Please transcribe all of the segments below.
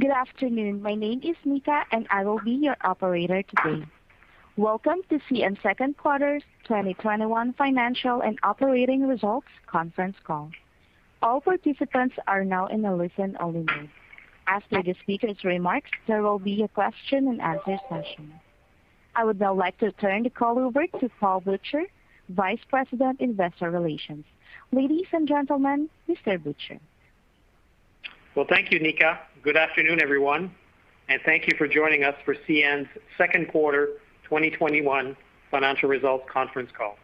Good afternoon. My name is Nika, and I will be your operator today. Welcome to CN second quarter's 2021 financial and operating results conference call. All participants are now in a listen-only mode. After the speakers' remarks, there will be a question and answer session. I would now like to turn the call over to Paul Butcher, Vice President, Investor Relations. Ladies and gentlemen, Mr. Butcher. Well, thank you, Nika. Good afternoon, everyone, thank you for joining us for CN's second quarter 2021 financial results conference call.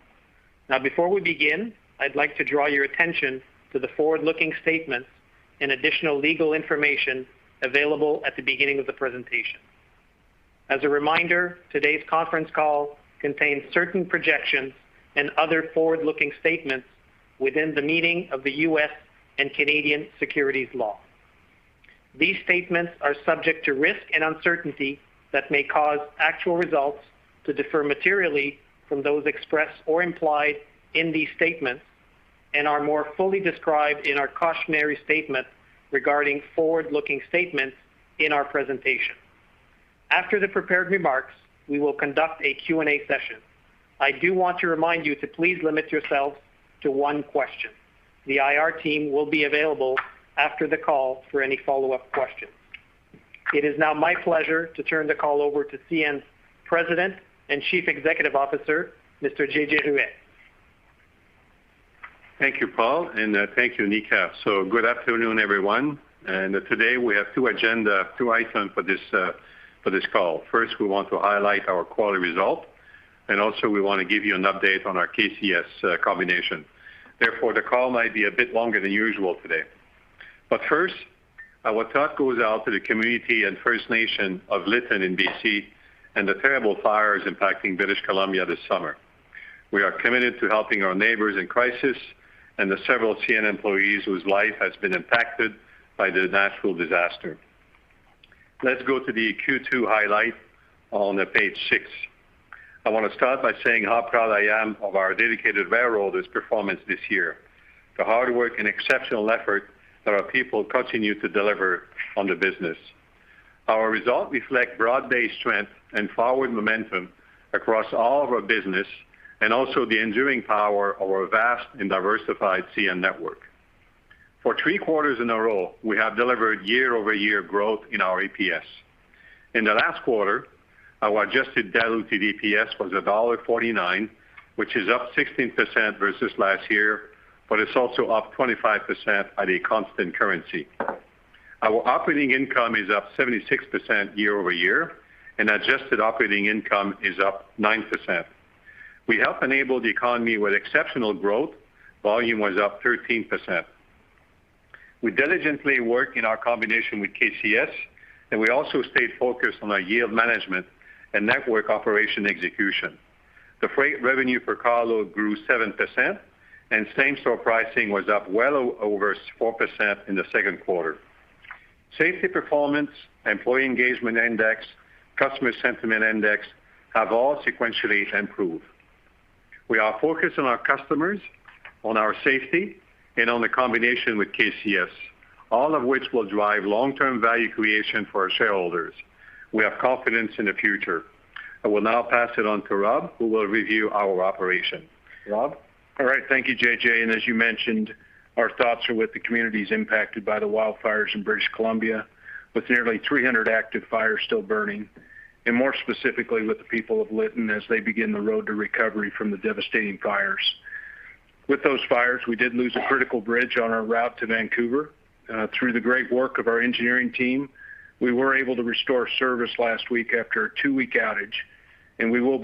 Before we begin, I'd like to draw your attention to the forward-looking statements and additional legal information available at the beginning of the presentation. As a reminder, today's conference call contains certain projections and other forward-looking statements within the meaning of the U.S. and Canadian securities law. These statements are subject to risk and uncertainty that may cause actual results to differ materially from those expressed or implied in these statements and are more fully described in our cautionary statement regarding forward-looking statements in our presentation. After the prepared remarks, we will conduct a Q&A session. I do want to remind you to please limit yourself to one question. The IR team will be available after the call for any follow-up questions. It is now my pleasure to turn the call over to CN's President and Chief Executive Officer, Mr. JJ Ruest. Thank you, Paul, and thank you, Nika. Good afternoon, everyone, and today we have two agenda, two items for this call. Therefore, the call might be a bit longer than usual today. First, our thought goes out to the community and First Nation of Lytton in BC and the terrible fires impacting British Columbia this summer. We are committed to helping our neighbors in crisis and the several CN employees whose life has been impacted by the natural disaster. Let's go to the Q2 highlight on page six. I want to start by saying how proud I am of our dedicated railroaders' performance this year, the hard work and exceptional effort that our people continue to deliver on the business. Our results reflect broad-based strength and forward momentum across all of our business and also the enduring power of our vast and diversified CN network. For three quarters in a row, we have delivered year-over-year growth in our EPS. In the last quarter, our adjusted diluted EPS was dollar 1.49, which is up 16% versus last year, but it's also up 25% at a constant currency. Our operating income is up 76% year-over-year, and adjusted operating income is up 9%. We helped enable the economy with exceptional growth. Volume was up 13%. We diligently work in our combination with KCS, and we also stayed focused on our yield management and network operation execution. The freight revenue per car load grew 7%, and same-store pricing was up well over 4% in the second quarter. Safety performance, employee engagement index, customer sentiment index have all sequentially improved. We are focused on our customers, on our safety, and on the combination with KCS, all of which will drive long-term value creation for our shareholders. We have confidence in the future. I will now pass it on to Rob, who will review our operation. Rob? All right. Thank you, JJ. As you mentioned, our thoughts are with the communities impacted by the wildfires in British Columbia with nearly 300 active fires still burning, and more specifically with the people of Lytton as they begin the road to recovery from the devastating fires. With those fires, we did lose a critical bridge on our route to Vancouver. Through the great work of our engineering team, we were able to restore service last week after a two-week outage, and we will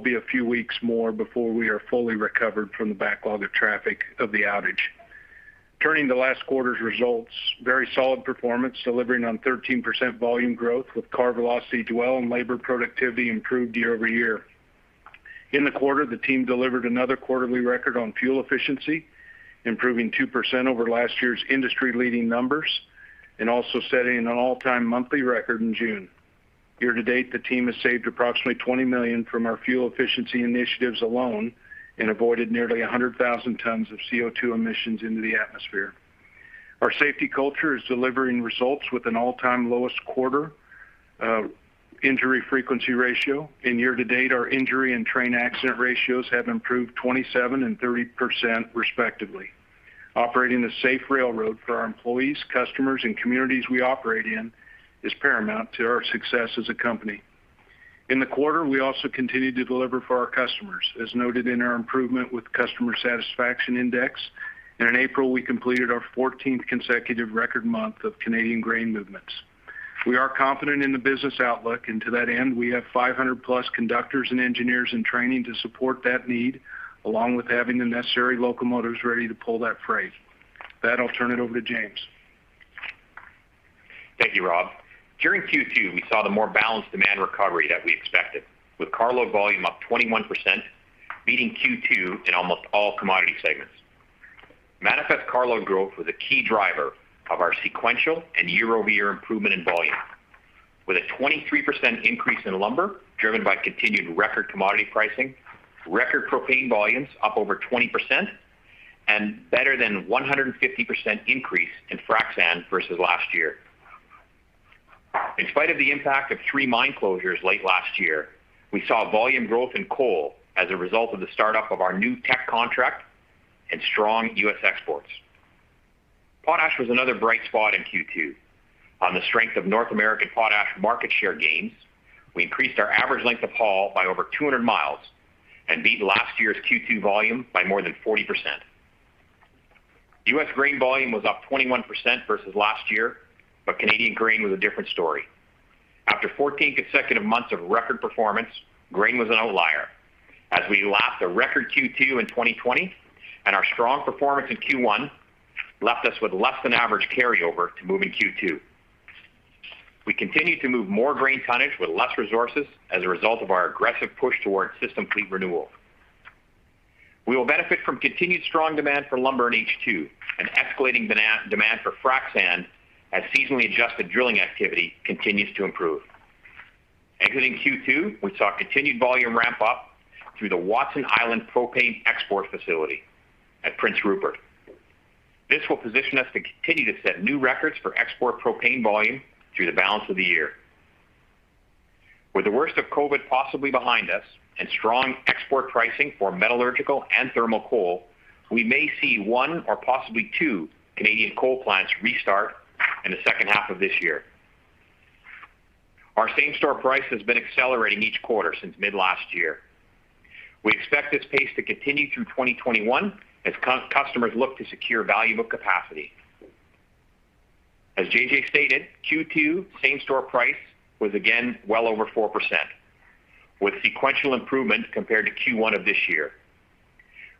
be a few weeks more before we are fully recovered from the backlog of traffic of the outage. Turning to last quarter's results, very solid performance, delivering on 13% volume growth with car velocity dwell and labor productivity improved year-over-year. In the quarter, the team delivered another quarterly record on fuel efficiency, improving 2% over last year's industry-leading numbers and also setting an all-time monthly record in June. Year to date, the team has saved approximately 20 million from our fuel efficiency initiatives alone and avoided nearly 100,000 tons of CO2 emissions into the atmosphere. Our safety culture is delivering results with an all-time lowest quarter injury frequency ratio. In year to date, our injury and train accident ratios have improved 27% and 30%, respectively. Operating a safe railroad for our employees, customers, and communities we operate in is paramount to our success as a company. In the quarter, we also continued to deliver for our customers, as noted in our improvement with customer satisfaction index, and in April, we completed our 14th consecutive record month of Canadian grain movements. We are confident in the business outlook. To that end, we have 500+ conductors and engineers in training to support that need, along with having the necessary locomotives ready to pull that freight. With that, I'll turn it over to James. Thank you, Rob. During Q2, we saw the more balanced demand recovery that we expected, with carload volume up 21%, beating Q2 in almost all commodity segments. Manifest carload growth was a key driver of our sequential and year-over-year improvement in volume. With a 23% increase in lumber driven by continued record commodity pricing, record propane volumes up over 20%, and better than 150% increase in frac sand versus last year. In spite of the impact of three mine closures late last year, we saw volume growth in coal as a result of the startup of our new Teck contract and strong U.S. exports. Potash was another bright spot in Q2. On the strength of North American potash market share gains, we increased our average length of haul by over 200 miles and beat last year's Q2 volume by more than 40%. U.S. grain volume was up 21% versus last year, but Canadian grain was a different story. After 14 consecutive months of record performance, grain was an outlier as we lapped a record Q2 in 2020, and our strong performance in Q1 left us with less than average carryover to move in Q2. We continued to move more grain tonnage with less resources as a result of our aggressive push towards system fleet renewal. We will benefit from continued strong demand for lumber in H2 and escalating demand for frac sand as seasonally adjusted drilling activity continues to improve. Exiting Q2, we saw continued volume ramp up through the Watson Island propane export facility at Prince Rupert. This will position us to continue to set new records for export propane volume through the balance of the year. With the worst of COVID possibly behind us and strong export pricing for metallurgical and thermal coal, we may see one or possibly two Canadian coal plants restart in the second half of this year. Our same-store price has been accelerating each quarter since mid-last year. We expect this pace to continue through 2021 as customers look to secure valuable capacity. As JJ stated, Q2 same-store price was again well over 4%, with sequential improvement compared to Q1 of this year.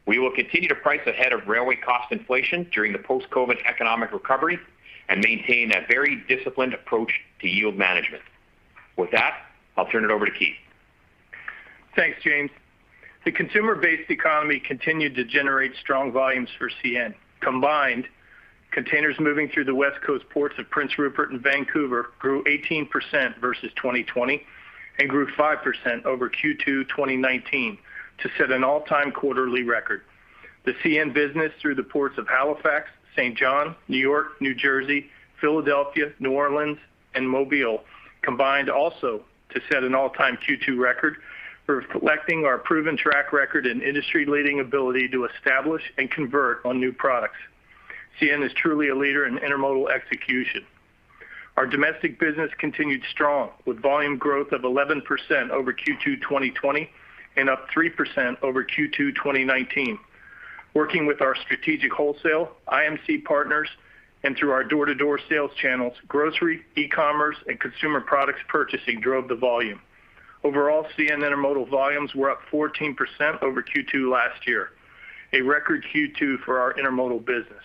We will continue to price ahead of railway cost inflation during the post-COVID economic recovery and maintain a very disciplined approach to yield management. With that, I'll turn it over to Keith. Thanks, James. The consumer-based economy continued to generate strong volumes for CN. Combined, containers moving through the West Coast ports of Prince Rupert and Vancouver grew 18% versus 2020 and grew 5% over Q2 2019 to set an all-time quarterly record. The CN business through the ports of Halifax, Saint John, New York, New Jersey, Philadelphia, New Orleans, and Mobile combined also to set an all-time Q2 record, reflecting our proven track record and industry-leading ability to establish and convert on new products. CN is truly a leader in intermodal execution. Our domestic business continued strong with volume growth of 11% over Q2 2020 and up 3% over Q2 2019. Working with our strategic wholesale IMC partners and through our door-to-door sales channels, grocery, e-commerce, and consumer products purchasing drove the volume. Overall, CN intermodal volumes were up 14% over Q2 last year, a record Q2 for our intermodal business.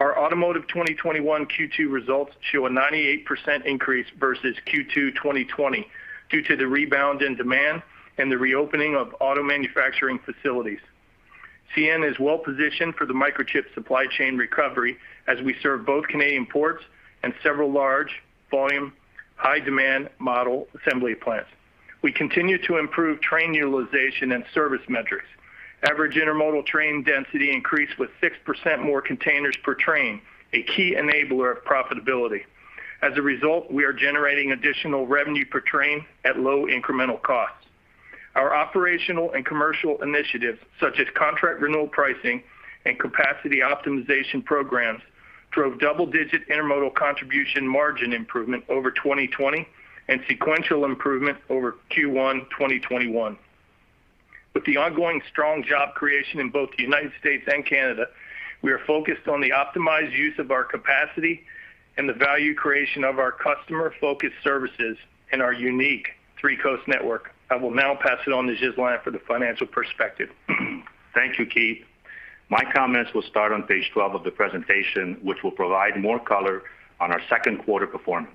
Our automotive 2021 Q2 results show a 98% increase versus Q2 2020 due to the rebound in demand and the reopening of auto manufacturing facilities. CN is well-positioned for the microchip supply chain recovery as we serve both Canadian ports and several large volume, high-demand model assembly plants. We continue to improve train utilization and service metrics. Average intermodal train density increased with 6% more containers per train, a key enabler of profitability. As a result, we are generating additional revenue per train at low incremental costs. Our operational and commercial initiatives, such as contract renewal pricing and capacity optimization programs, drove double-digit intermodal contribution margin improvement over 2020 and sequential improvement over Q1 2021. With the ongoing strong job creation in both the U.S. and Canada, we are focused on the optimized use of our capacity and the value creation of our customer-focused services and our unique three-coast network. I will now pass it on to Ghislain for the financial perspective. Thank you, Keith. My comments will start on page 12 of the presentation, which will provide more color on our second quarter performance.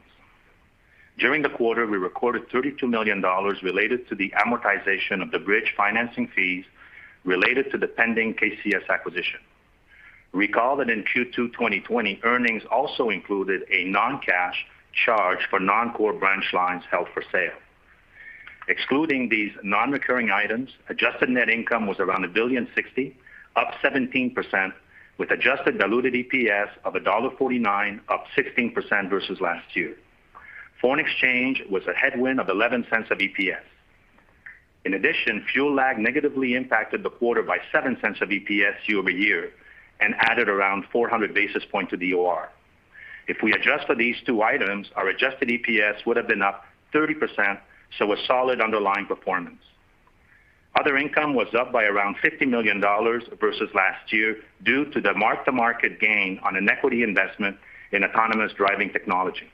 During the quarter, we recorded 32 million dollars related to the amortization of the bridge financing fees related to the pending KCS acquisition. Recall that in Q2 2020, earnings also included a non-cash charge for non-core branch lines held for sale. Excluding these non-recurring items, adjusted net income was around 1.060 billion, up 17%, with adjusted diluted EPS of dollar 1.49, up 16% versus last year. Foreign exchange was a headwind of 0.11 of EPS. In addition, fuel lag negatively impacted the quarter by 0.07 of EPS year-over-year and added around 400 basis points to the OR. If we adjust for these two items, our adjusted EPS would have been up 30%, so a solid underlying performance. Other income was up by around 50 million dollars versus last year due to the mark-to-market gain on an equity investment in autonomous driving technology.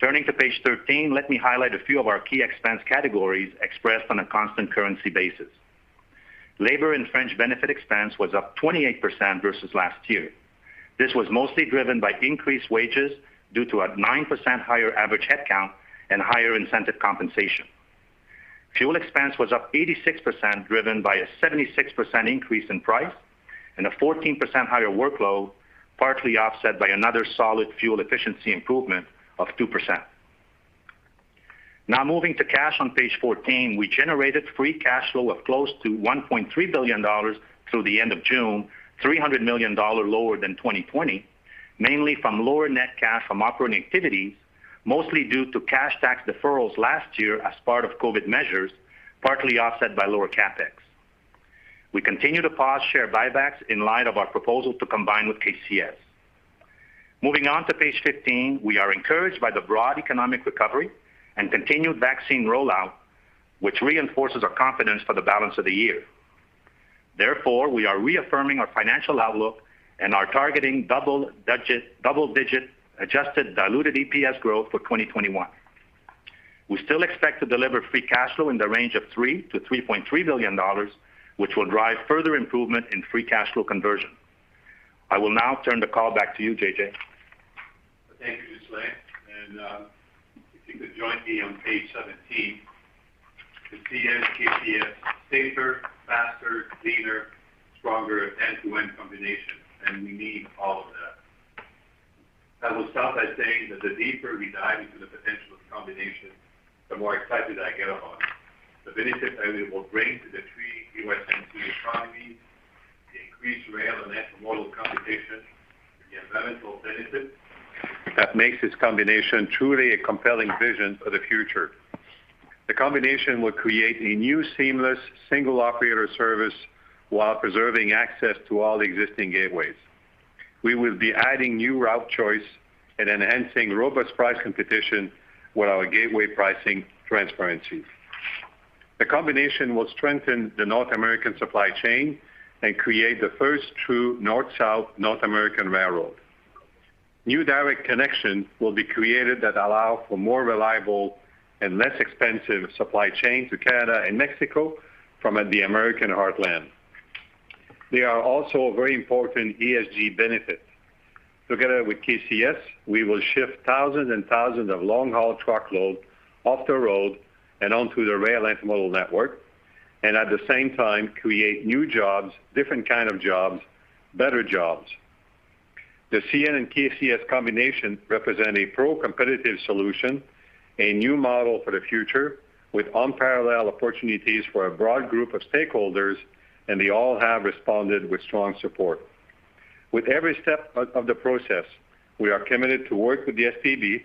Turning to page 13, let me highlight a few of our key expense categories expressed on a constant currency basis. Labor and fringe benefit expense was up 28% versus last year. This was mostly driven by increased wages due to a 9% higher average headcount and higher incentive compensation. Fuel expense was up 86%, driven by a 76% increase in price and a 14% higher workload, partly offset by another solid fuel efficiency improvement of 2%. Now moving to cash on page 14, we generated free cash flow of close to 1.3 billion dollars through the end of June, 300 million dollar lower than 2020, mainly from lower net cash from operating activities, mostly due to cash tax deferrals last year as part of COVID measures, partly offset by lower CapEx. We continue to pause share buybacks in light of our proposal to combine with KCS. Moving on to page 15. We are encouraged by the broad economic recovery and continued vaccine rollout, which reinforces our confidence for the balance of the year. Therefore, we are reaffirming our financial outlook and are targeting double-digit adjusted diluted EPS growth for 2021. We still expect to deliver free cash flow in the range of 3 billion-3.3 billion dollars, which will drive further improvement in free cash flow conversion. I will now turn the call back to you, JJ. Thank you, Ghislain. If you could join me on page 17, the CN KCS, safer, faster, cleaner, stronger end-to-end combination, and we need all of that. I will start by saying that the deeper we dive into the potential of combination, the more excited I get about it. The benefits that it will bring to the three U.S.-Mexico economies, the increased rail and intermodal competition, the environmental benefits, that makes this combination truly a compelling vision for the future. The combination will create a new seamless single operator service while preserving access to all existing gateways. We will be adding new route choice and enhancing robust price competition with our gateway pricing transparency. The combination will strengthen the North American supply chain and create the first true North-South North American railroad. New direct connections will be created that allow for more reliable and less expensive supply chain to Canada and Mexico from the American heartland. There are also very important ESG benefits. Together with KCS, we will shift thousands and thousands of long-haul truckload off the road and onto the rail intermodal network, and at the same time, create new jobs, different kind of jobs, better jobs. The CN and KCS combination represent a pro-competitive solution, a new model for the future with unparalleled opportunities for a broad group of stakeholders, and they all have responded with strong support. With every step of the process, we are committed to work with the STB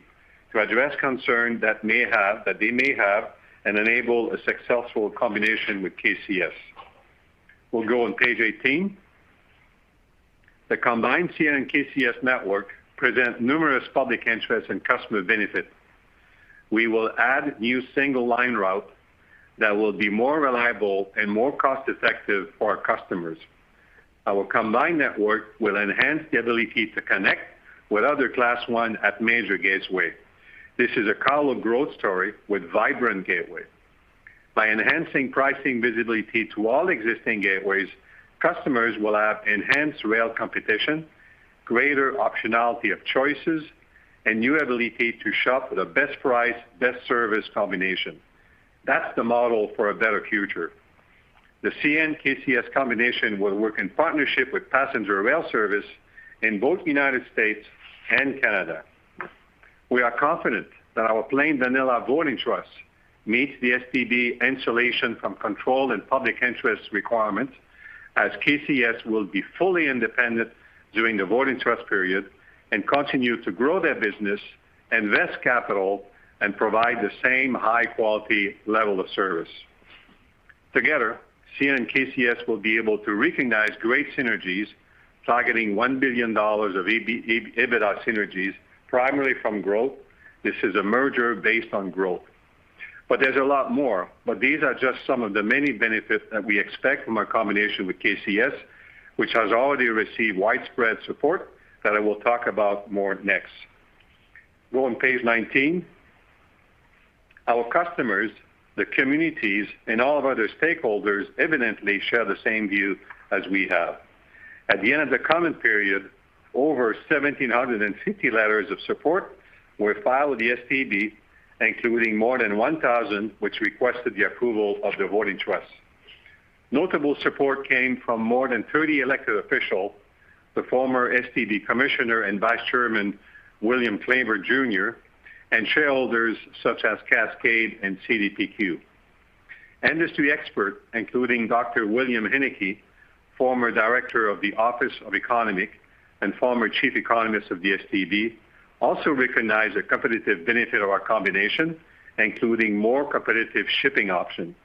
to address concerns that they may have and enable a successful combination with KCS. We'll go on page 18. The combined CN KCS network presents numerous public interest and customer benefits. We will add new single-line route that will be more reliable and more cost-effective for our customers. Our combined network will enhance the ability to connect with other Class I at major gateway. This is a core growth story with vibrant gateway. By enhancing pricing visibility to all existing gateways, customers will have enhanced rail competition, greater optionality of choices, and new ability to shop for the best price, best service combination. That's the model for a better future. The CN KCS combination will work in partnership with passenger rail service in both United States and Canada. We are confident that our plain vanilla voting trust meets the STB insulation from control and public interest requirements, as KCS will be fully independent during the voting trust period and continue to grow their business, invest capital, and provide the same high-quality level of service. Together, CN and KCS will be able to recognize great synergies, targeting 1 billion dollars of EBITDA synergies, primarily from growth. This is a merger based on growth. There's a lot more. These are just some of the many benefits that we expect from our combination with KCS, which has already received widespread support that I will talk about more next. Go on page 19. Our customers, the communities, and all of other stakeholders evidently share the same view as we have. At the end of the comment period, over 1,750 letters of support were filed with the STB, including more than 1,000 which requested the approval of the voting trust. Notable support came from more than 30 elected official, the former STB Commissioner and Vice Chairman, William Clyburn Jr., and shareholders such as Cascade and CDPQ. Industry expert, including Dr. William Huneke, Former Director of the Office of Economics and Chief Economist of the STB, also recognized the competitive benefit of our combination, including more competitive shipping options.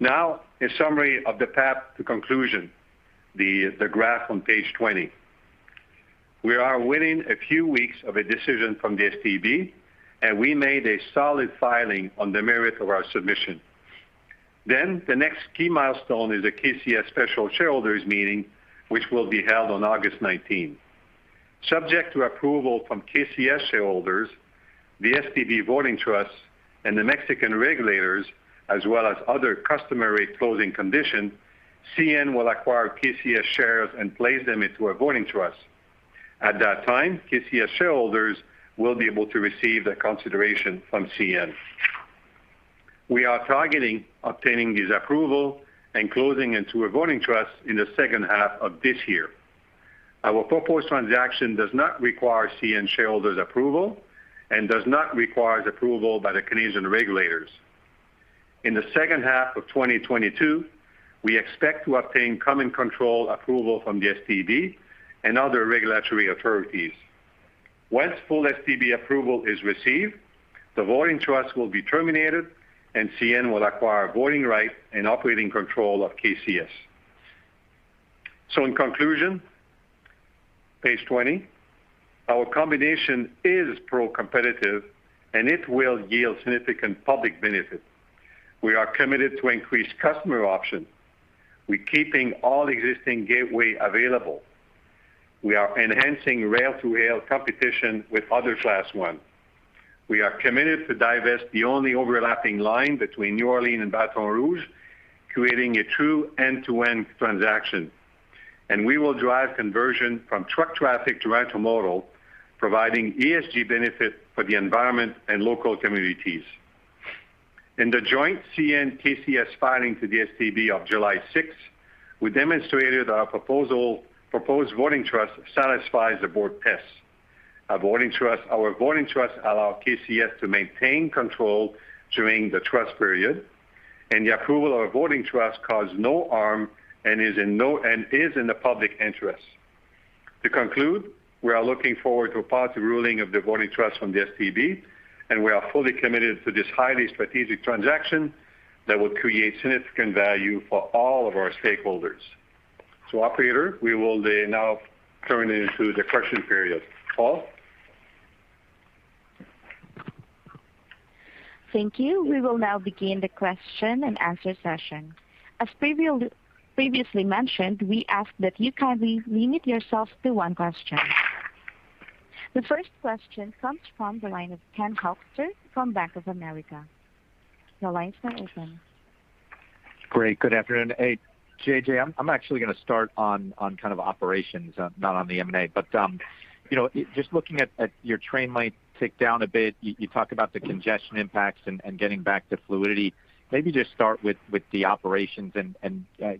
A summary of the path to conclusion, the graph on page 20. We are within a few weeks of a decision from the STB. We made a solid filing on the merit of our submission. The next key milestone is the KCS special shareholders meeting, which will be held on August 19th. Subject to approval from KCS shareholders, the STB voting trust, and the Mexican regulators, as well as other customary closing conditions, CN will acquire KCS shares and place them into a voting trust. At that time, KCS shareholders will be able to receive their consideration from CN. We are targeting obtaining this approval and closing into a voting trust in the second half of this year. Our proposed transaction does not require CN shareholders' approval and does not require the approval by the Canadian regulators. In the second half of 2022, we expect to obtain common control approval from the STB and other regulatory authorities. Once full STB approval is received, the voting trust will be terminated, and CN will acquire voting rights and operating control of KCS. In conclusion, page 20, our combination is pro-competitive, and it will yield significant public benefit. We are committed to increased customer options. We're keeping all existing gateway available. We are enhancing rail-to-rail competition with other Class I. We are committed to divest the only overlapping line between New Orleans and Baton Rouge, creating a true end-to-end transaction. We will drive conversion from truck traffic to intermodal, providing ESG benefit for the environment and local communities. In the joint CN-KCS filing to the STB of July 6th, we demonstrated that our proposed voting trust satisfies the board tests. Our voting trust allow KCS to maintain control during the trust period, and the approval of voting trust cause no harm and is in the public interest. To conclude, we are looking forward to a positive ruling of the voting trust from the STB, and we are fully committed to this highly strategic transaction that will create significant value for all of our stakeholders. Operator, we will now turn it to the question period. Paul? Thank you. We will now begin the question and answer session. As previously mentioned, we ask that you kindly limit yourself to one question. The first question comes from the line of Ken Hoexter from Bank of America. Your line is now open. Great. Good afternoon. Hey, JJ, I'm actually going to start on kind of operations, not on the M&A. Just looking at your train might tick down a bit. You talk about the congestion impacts and getting back to fluidity. Maybe just start with the operations and,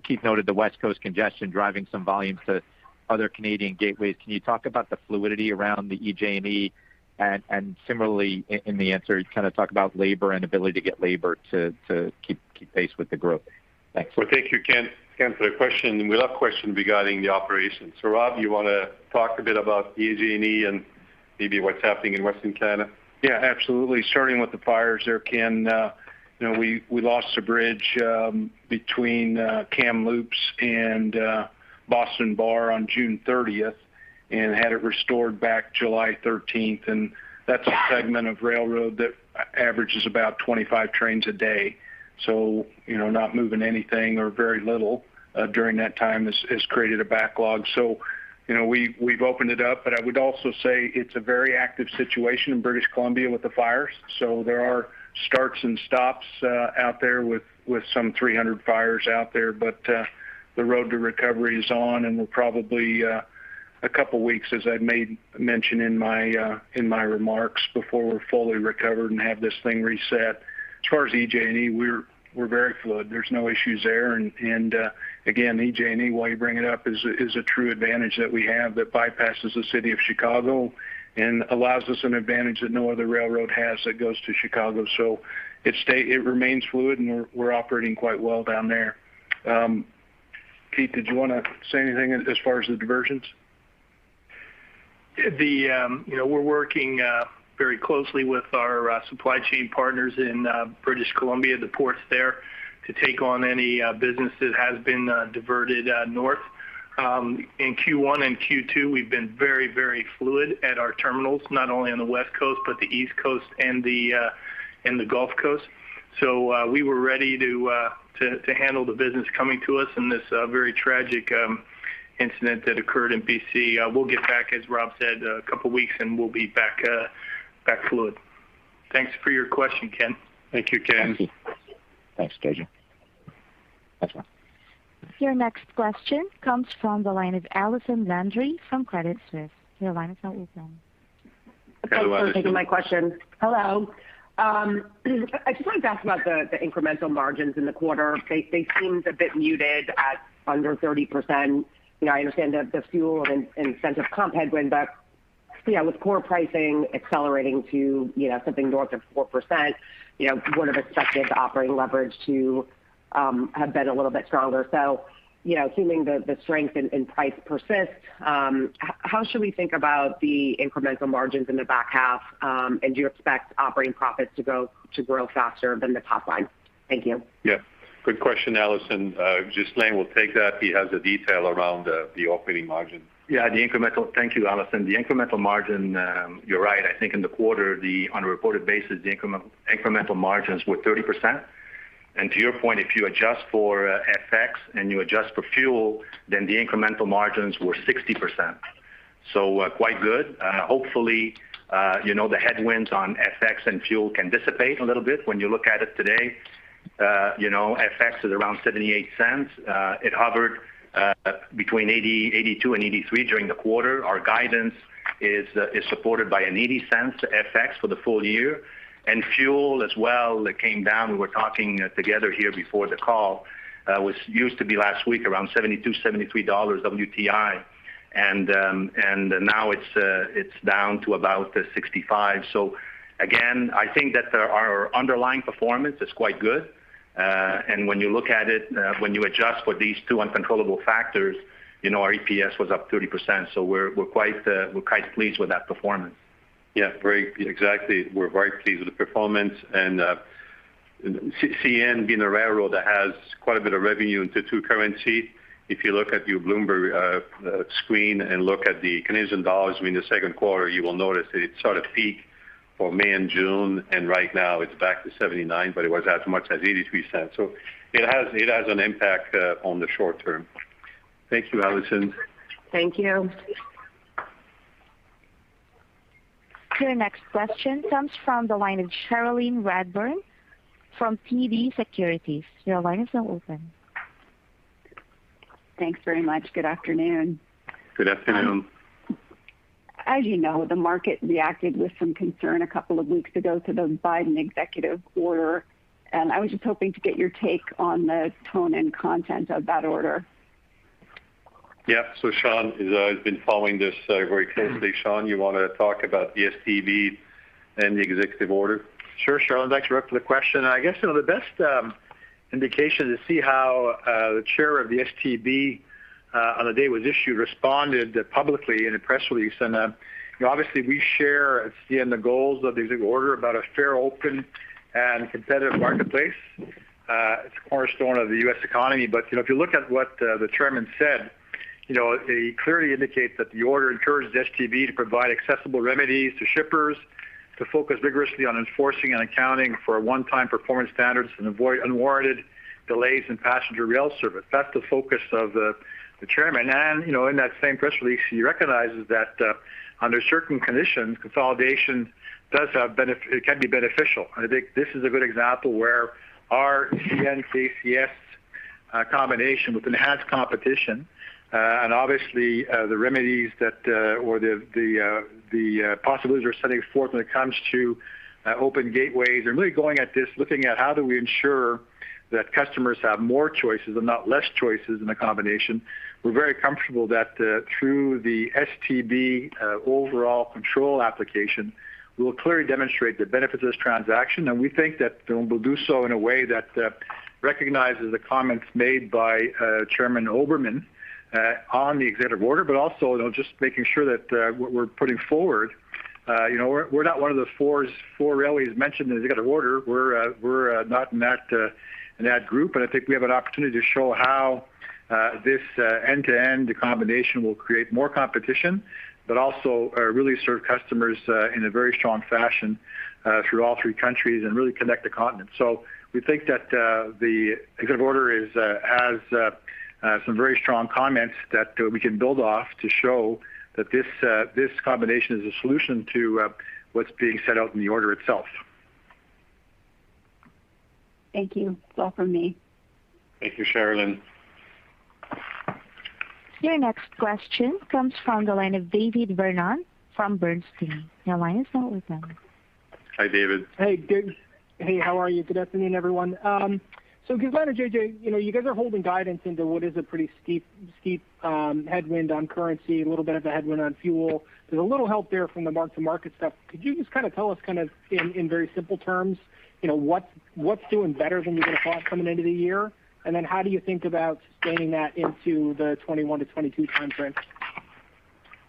Keith noted the West Coast congestion driving some volumes to other Canadian gateways. Can you talk about the fluidity around the EJ&E? Similarly, in the answer, kind of talk about labor and ability to get labor to keep pace with the growth. Thanks. Thank you, Ken, for the question. We love question regarding the operations. Rob, you want to talk a bit about EJ&E and maybe what's happening in Western Canada? Yeah, absolutely. Starting with the fires there, Ken, we lost a bridge between Kamloops and Boston Bar on June 30th and had it restored back July 13th. That's a segment of railroad that averages about 25 trains a day. Not moving anything or very little during that time has created a backlog. We've opened it up, but I would also say it's a very active situation in British Columbia with the fires. There are starts and stops out there with some 300 fires out there. The road to recovery is on, and we're probably a couple of weeks, as I made mention in my remarks, before we're fully recovered and have this thing reset. As far as EJ&E, we're very fluid. There's no issues there. Again, EJ&E, while you bring it up, is a true advantage that we have that bypasses the city of Chicago and allows us an advantage that no other railroad has that goes to Chicago. It remains fluid, and we're operating quite well down there. Keith, did you want to say anything as far as the diversions? We're working very closely with our supply chain partners in British Columbia, the ports there, to take on any business that has been diverted north. In Q1 and Q2, we've been very fluid at our terminals, not only on the West Coast, but the East Coast and the Gulf Coast. We were ready to handle the business coming to us in this very tragic incident that occurred in BC. We'll get back, as Rob said, a couple of weeks, and we'll be back fluid. Thanks for your question, Ken. Thank you, Ken. Thank you. Thanks, JJ. Next one. Your next question comes from the line of Allison Landry from Credit Suisse. Your line is now open. Hey, Allison. Thanks for taking my question. Hello. I just wanted to ask about the incremental margins in the quarter. They seemed a bit muted at under 30%. I understand the fuel and incentive comp headwind, with core pricing accelerating to something north of 4%, would have expected the operating leverage to have been a little bit stronger. Assuming the strength in price persists, how should we think about the incremental margins in the back half, and do you expect operating profits to grow faster than the top line? Thank you. Yeah. Good question, Allison. Ghislain will take that. He has the detail around the operating margin. Yeah. Thank you, Allison. The incremental margin, you're right. I think in the quarter, on a reported basis, the incremental margins were 30%. To your point, if you adjust for FX and you adjust for fuel, then the incremental margins were 60%. Quite good. Hopefully, the headwinds on FX and fuel can dissipate a little bit when you look at it today. FX is around $0.78. It hovered between $0.82 and $0.83 during the quarter. Our guidance is supported by a $0.80 FX for the full year. Fuel as well, that came down. We were talking together here before the call, which used to be last week around $72, $73 WTI. Now it's down to about $65. Again, I think that our underlying performance is quite good. When you look at it, when you adjust for these two uncontrollable factors, our EPS was up 30%. We're quite pleased with that performance. Yeah. Exactly. We're very pleased with the performance and CN Railroad that has quite a bit of revenue into two currency. If you look at your Bloomberg screen and look at the Canadian dollars in the second quarter, you will notice that it sort of peak for May and June, right now it's back to $0.79, but it was as much as $0.83. It has an impact on the short term. Thank you, Allison. Thank you. Your next question comes from the line of Cherilyn Radbourne from TD Securities. Your line is now open. Thanks very much. Good afternoon. Good afternoon. As you know, the market reacted with some concern a couple of weeks ago to the Biden executive order. I was just hoping to get your take on the tone and content of that order. Yeah. Sean has been following this very closely. Sean, you want to talk about the STB and the executive order? Sure, Cherilyn. Thanks very much for the question. I guess, the best indication to see how the Chair of the STB, on the day it was issued, responded publicly in a press release. Obviously we share the goals of the executive order about a fair, open and competitive marketplace. It's a cornerstone of the U.S. economy. If you look at what the Chairman said, he clearly indicates that the order encourages the STB to provide accessible remedies to shippers to focus vigorously on enforcing and accounting for a one-time performance standards and avoid unwarranted delays in passenger rail service. That's the focus of the Chairman. In that same press release, he recognizes that under certain conditions, consolidation can be beneficial. I think this is a good example where our CN-KCS combination with enhanced competition and obviously the remedies or the possibilities we're setting forth when it comes to open gateways and really going at this, looking at how do we ensure that customers have more choices and not less choices in the combination. We're very comfortable that through the STB overall control application, we will clearly demonstrate the benefits of this transaction. We think that we'll do so in a way that recognizes the comments made by Chairman Oberman on the executive order, but also just making sure that what we're putting forward, we're not one of the four railways mentioned in the executive order. We're not in that group. I think we have an opportunity to show how this end-to-end combination will create more competition, also really serve customers in a very strong fashion through all three countries and really connect the continent. We think that the executive order has some very strong comments that we can build off to show that this combination is a solution to what's being set out in the order itself. Thank you. That's all from me. Thank you, Cherilyn. Your next question comes from the line of David Vernon from Bernstein. Your line is now open. Hi, David. Hey. Good. Hey, how are you? Good afternoon, everyone. Guys, JJ, you guys are holding guidance into what is a pretty steep headwind on currency, a little bit of a headwind on fuel. There's a little help there from the mark-to-market stuff. Could you just tell us in very simple terms, what's doing better than you would've thought coming into the year? Then how do you think about sustaining that into the 2021 to 2022 timeframe?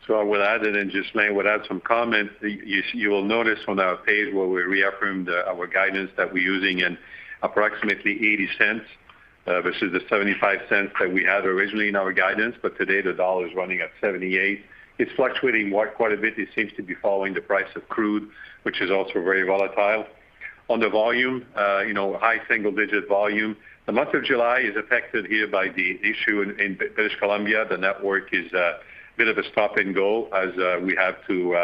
With that, Ghislain out some comment, you will notice on our page where we reaffirmed our guidance that we're using in approximately $0.80 versus the $0.75 that we had originally in our guidance. Today the dollar is running at $0.78. It's fluctuating quite a bit. It seems to be following the price of crude, which is also very volatile. On the volume, high single-digit volume. The month of July is affected here by the issue in British Columbia. The network is a bit of a stop and go as we have to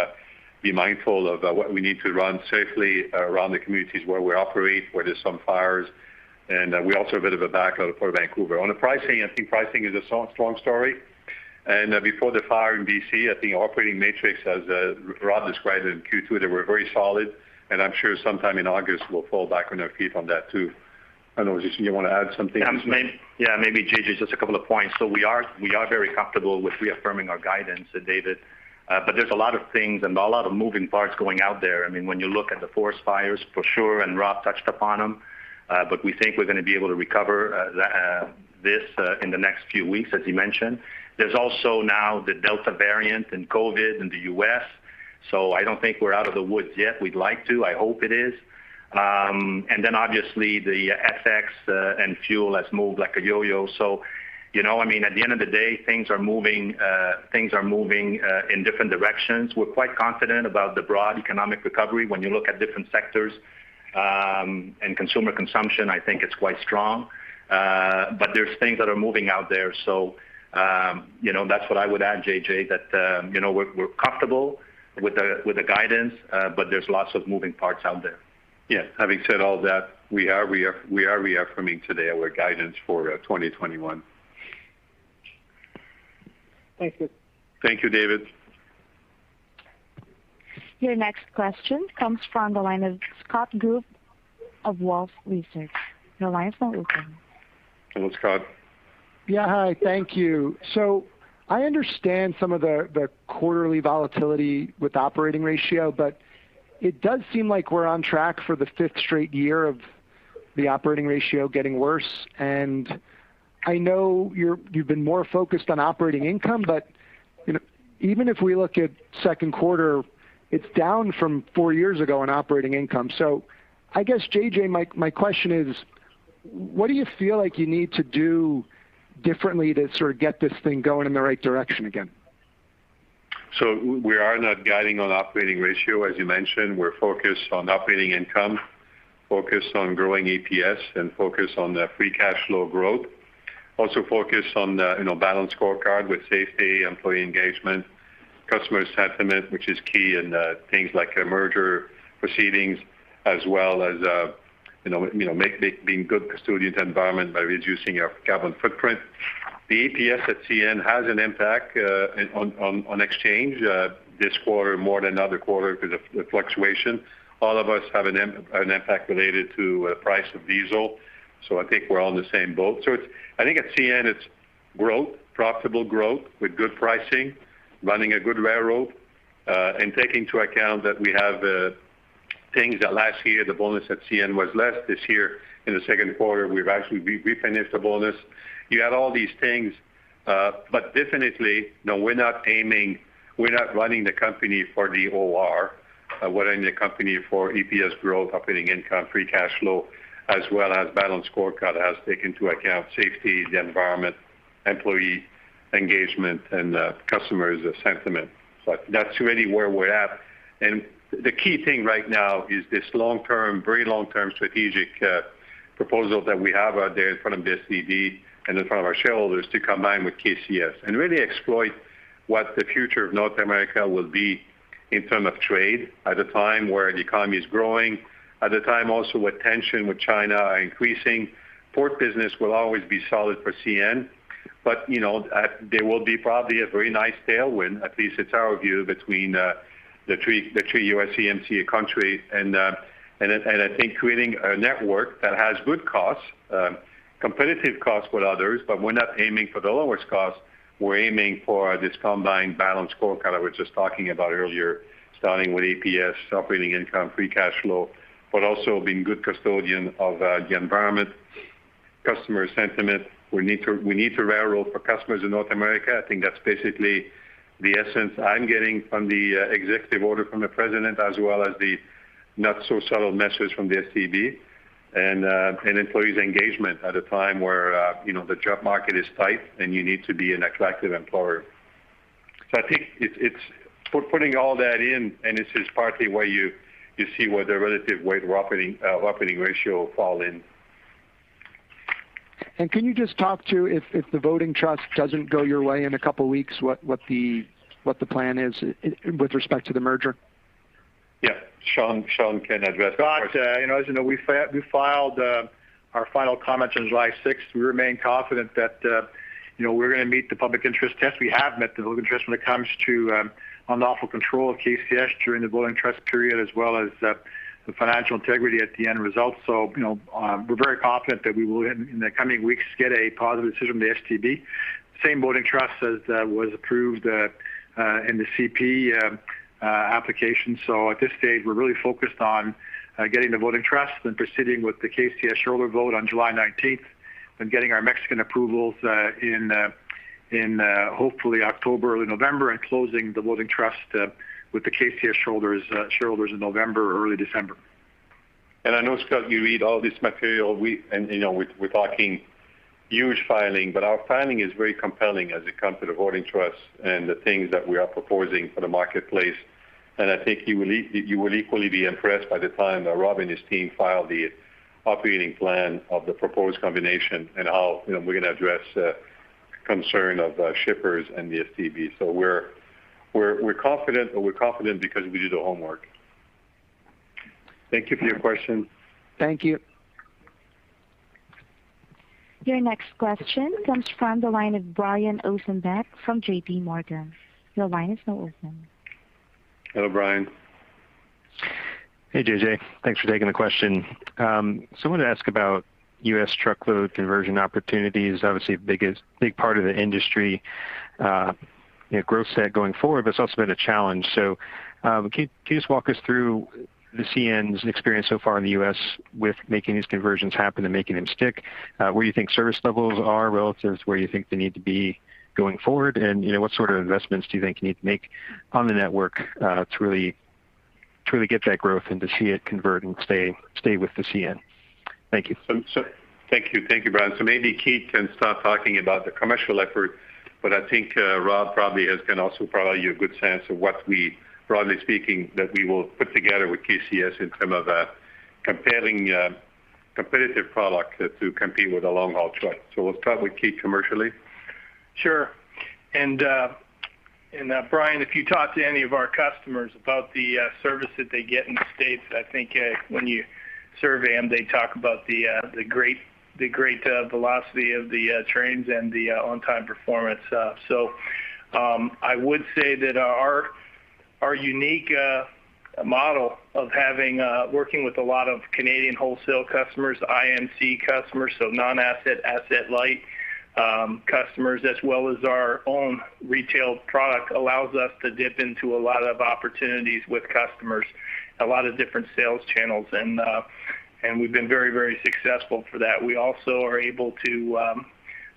be mindful of what we need to run safely around the communities where we operate, where there's some fires. We also have a bit of a backlog for Vancouver. On the pricing, I think pricing is a strong story. Before the fire in BC, I think operating metrics, as Rob described in Q2, they were very solid. I'm sure sometime in August we'll fall back on our feet on that too. I don't know, do you want to add something? Maybe JJ, just a couple of points. We are very comfortable with reaffirming our guidance, David. There's a lot of things and a lot of moving parts going out there. When you look at the forest fires, for sure, and Rob touched upon them. We think we're going to be able to recover this in the next few weeks, as he mentioned. There's also now the Delta variant and COVID in the U.S., so I don't think we're out of the woods yet. We'd like to, I hope it is. Obviously the FX and fuel has moved like a yo-yo. At the end of the day, things are moving in different directions. We're quite confident about the broad economic recovery when you look at different sectors. Consumer consumption, I think it's quite strong. There's things that are moving out there. That's what I would add, JJ, that we're comfortable with the guidance, but there's lots of moving parts out there. Yeah. Having said all that, we are reaffirming today our guidance for 2021. Thank you. Thank you, David. Your next question comes from the line of Scott Group of Wolfe Research. Your line is now open. Hello, Scott. Yeah. Hi, thank you. I understand some of the quarterly volatility with operating ratio, but it does seem like we're on track for the 5th straight year of the operating ratio getting worse, and I know you've been more focused on operating income, but even if we look at second quarter, it's down from four years ago on operating income. I guess, JJ, my question is, what do you feel like you need to do differently to sort of get this thing going in the right direction again? We are not guiding on operating ratio, as you mentioned. We're focused on operating income, focused on growing EPS, and focused on the free cash flow growth. Also focused on the balance scorecard with safety, employee engagement, customer sentiment, which is key in things like merger proceedings, as well as being good custodians to the environment by reducing our carbon footprint. The EPS at CN has an impact on exchange this quarter more than other quarter because of the fluctuation. All of us have an impact related to the price of diesel, so I think we're all in the same boat. I think at CN, it's growth, profitable growth with good pricing, running a good railroad, and taking into account that we have things that last year the bonus at CN was less. This year in the second quarter, we've actually refinished the bonus. You add all these things, definitely, no, we're not aiming, we're not running the company for the OR. We're running the company for EPS growth, operating income, free cash flow, as well as balanced scorecard that has taken into account safety, the environment, employee engagement, and customers' sentiment. That's really where we're at. The key thing right now is this very long-term strategic proposal that we have out there in front of the STB and in front of our shareholders to combine with KCS and really exploit what the future of North America will be in terms of trade at a time where the economy is growing, at a time also where tension with China are increasing. Port business will always be solid for CN, but there will be probably a very nice tailwind, at least it's our view, between the three USMCA country and I think creating a network that has good costs, competitive costs with others, but we're not aiming for the lowest cost. We're aiming for this combined balance scorecard I was just talking about earlier, starting with EPS, operating income, free cash flow, but also being good custodian of the environment, customer sentiment. We need to railroad for customers in North America. I think that's basically the essence I'm getting from the executive order from the president as well as the not-so-subtle message from the STB and employees' engagement at a time where the job market is tight and you need to be an attractive employer. I think it's for putting all that in, and this is partly why you see where the relative weight operating ratio fall in. Can you just talk to if the voting trust doesn't go your way in a couple of weeks, what the plan is with respect to the merger? Yeah. Sean can address that question. Scott, as you know, we filed our final comments on July 6th. We remain confident that we're going to meet the public interest test. We have met the public interest when it comes to unlawful control of KCS during the voting trust period as well as the financial integrity at the end result. We're very confident that we will, in the coming weeks, get a positive decision from the STB. Same voting trust as was approved in the CP application. At this stage, we're really focused on getting the voting trust and proceeding with the KCS shareholder vote on July 19th and getting our Mexican approvals in hopefully October, early November, and closing the voting trust with the KCS shareholders in November or early December. I know, Scott, you read all this material. We're talking huge filing, but our filing is very compelling as it comes to the voting trust and the things that we are proposing for the marketplace. I think you will equally be impressed by the time that Rob and his team file the operating plan of the proposed combination and how we're going to address the concern of shippers and the STB. We're confident, but we're confident because we do the homework. Thank you for your question. Thank you. Your next question comes from the line of Brian Ossenbeck from JPMorgan. Your line is now open. Hello, Brian. Hey, JJ. Thanks for taking the question. I wanted to ask about U.S. truckload conversion opportunities. Obviously, a big part of the industry growth set going forward, but it's also been a challenge. Can you just walk us through the CN's experience so far in the U.S. with making these conversions happen and making them stick? Where you think service levels are relative to where you think they need to be going forward, and what sort of investments do you think you need to make on the network to really get that growth and to see it convert and stay with the CN? Thank you. Thank you, Brian. Maybe Keith can start talking about the commercial effort, but I think Rob probably can also provide you a good sense of what we, broadly speaking, that we will put together with KCS in terms of a competitive product to compete with the long-haul truck. We'll start with Keith commercially. Sure. Brian, if you talk to any of our customers about the service that they get in the U.S., I think when you survey them, they talk about the great velocity of the trains and the on-time performance. I would say that our unique model of working with a lot of Canadian wholesale customers, IMC customers, non-asset, asset-light customers, as well as our own retail product, allows us to dip into a lot of opportunities with customers, a lot of different sales channels and we've been very successful for that. We also are able to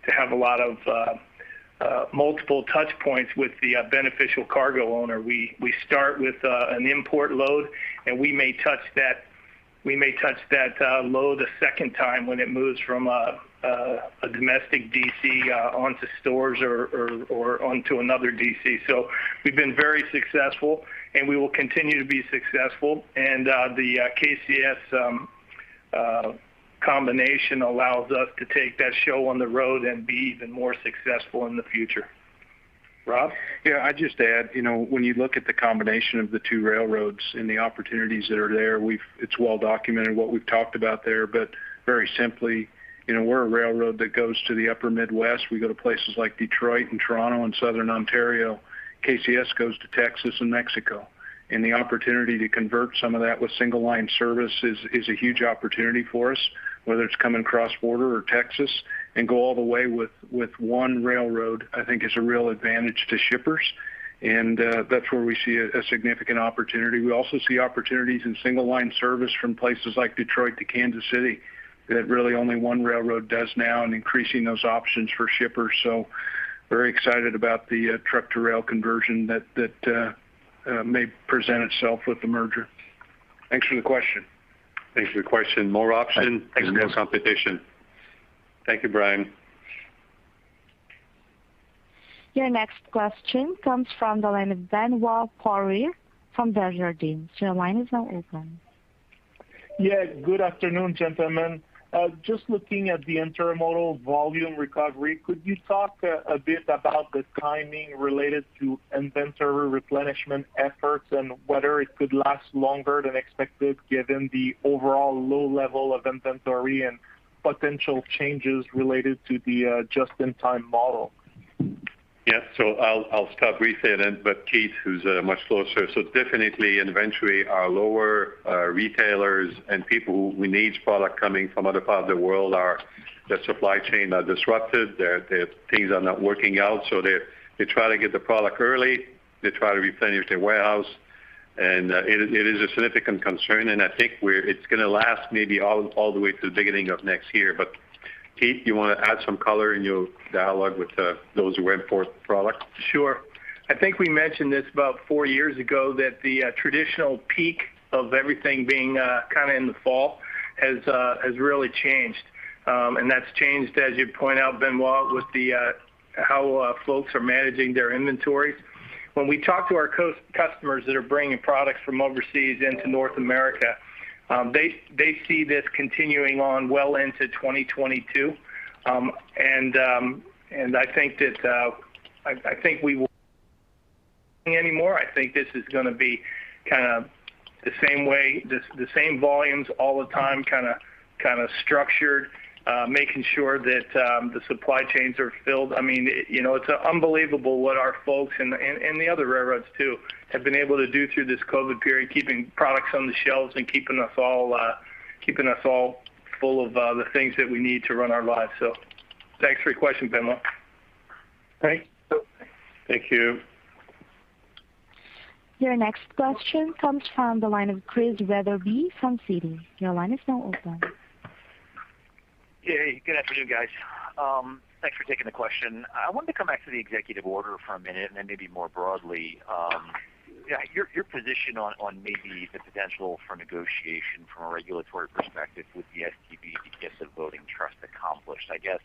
have a lot of multiple touch points with the beneficial cargo owner. We start with an import load, and we may touch that load a second time when it moves from a domestic DC onto stores or onto another DC. We've been very successful, and we will continue to be successful. The KCS combination allows us to take that show on the road and be even more successful in the future. Rob? I'd just add, when you look at the combination of the two railroads and the opportunities that are there, it's well documented what we've talked about there. Very simply, we're a railroad that goes to the upper Midwest. We go to places like Detroit and Toronto and Southern Ontario. KCS goes to Texas and Mexico. The opportunity to convert some of that with single line service is a huge opportunity for us, whether it's coming cross-border or Texas, and go all the way with one railroad, I think is a real advantage to shippers. That's where we see a significant opportunity. We also see opportunities in single line service from places like Detroit to Kansas City, that really only one railroad does now, and increasing those options for shippers. Very excited about the truck-to-rail conversion that may present itself with the merger. Thanks for the question. Thanks for the question. More option, and more competition. Thank you, Brian. Your next question comes from the line of Benoit Poirier from Desjardins. Your line is now open. Yeah, good afternoon, gentlemen. Just looking at the intermodal volume recovery, could you talk a bit about the timing related to inventory replenishment efforts and whether it could last longer than expected given the overall low level of inventory and potential changes related to the just-in-time model? Yeah. I'll start briefly, and then Keith, who's much closer. Definitely inventory are lower, retailers and people who need product coming from other parts of the world, their supply chain are disrupted, their things are not working out. They try to get the product early. They try to replenish their warehouse. It is a significant concern, and I think it's going to last maybe all the way to the beginning of next year. Keith, you want to add some color in your dialogue with those who import product? Sure. I think we mentioned this about four years ago, that the traditional peak of everything being kind of in the fall has really changed. That's changed, as you point out, Benoit, with how folks are managing their inventories. When we talk to our customers that are bringing products from overseas into North America, they see this continuing on well into 2022. I think we will anymore. I think this is going to be kind of the same way, the same volumes all the time, kind of structured, making sure that the supply chains are filled. It's unbelievable what our folks, and the other railroads too, have been able to do through this COVID period, keeping products on the shelves and keeping us all full of the things that we need to run our lives. Thanks for your question, Benoit. Thanks. Thank you. Your next question comes from the line of Chris Wetherbee from Citi. Your line is now open. Hey, good afternoon, guys. Thanks for taking the question. I wanted to come back to the executive order for a minute, then maybe more broadly. Your position on maybe the potential for negotiation from a regulatory perspective with the STB to get the voting trust accomplished. I guess,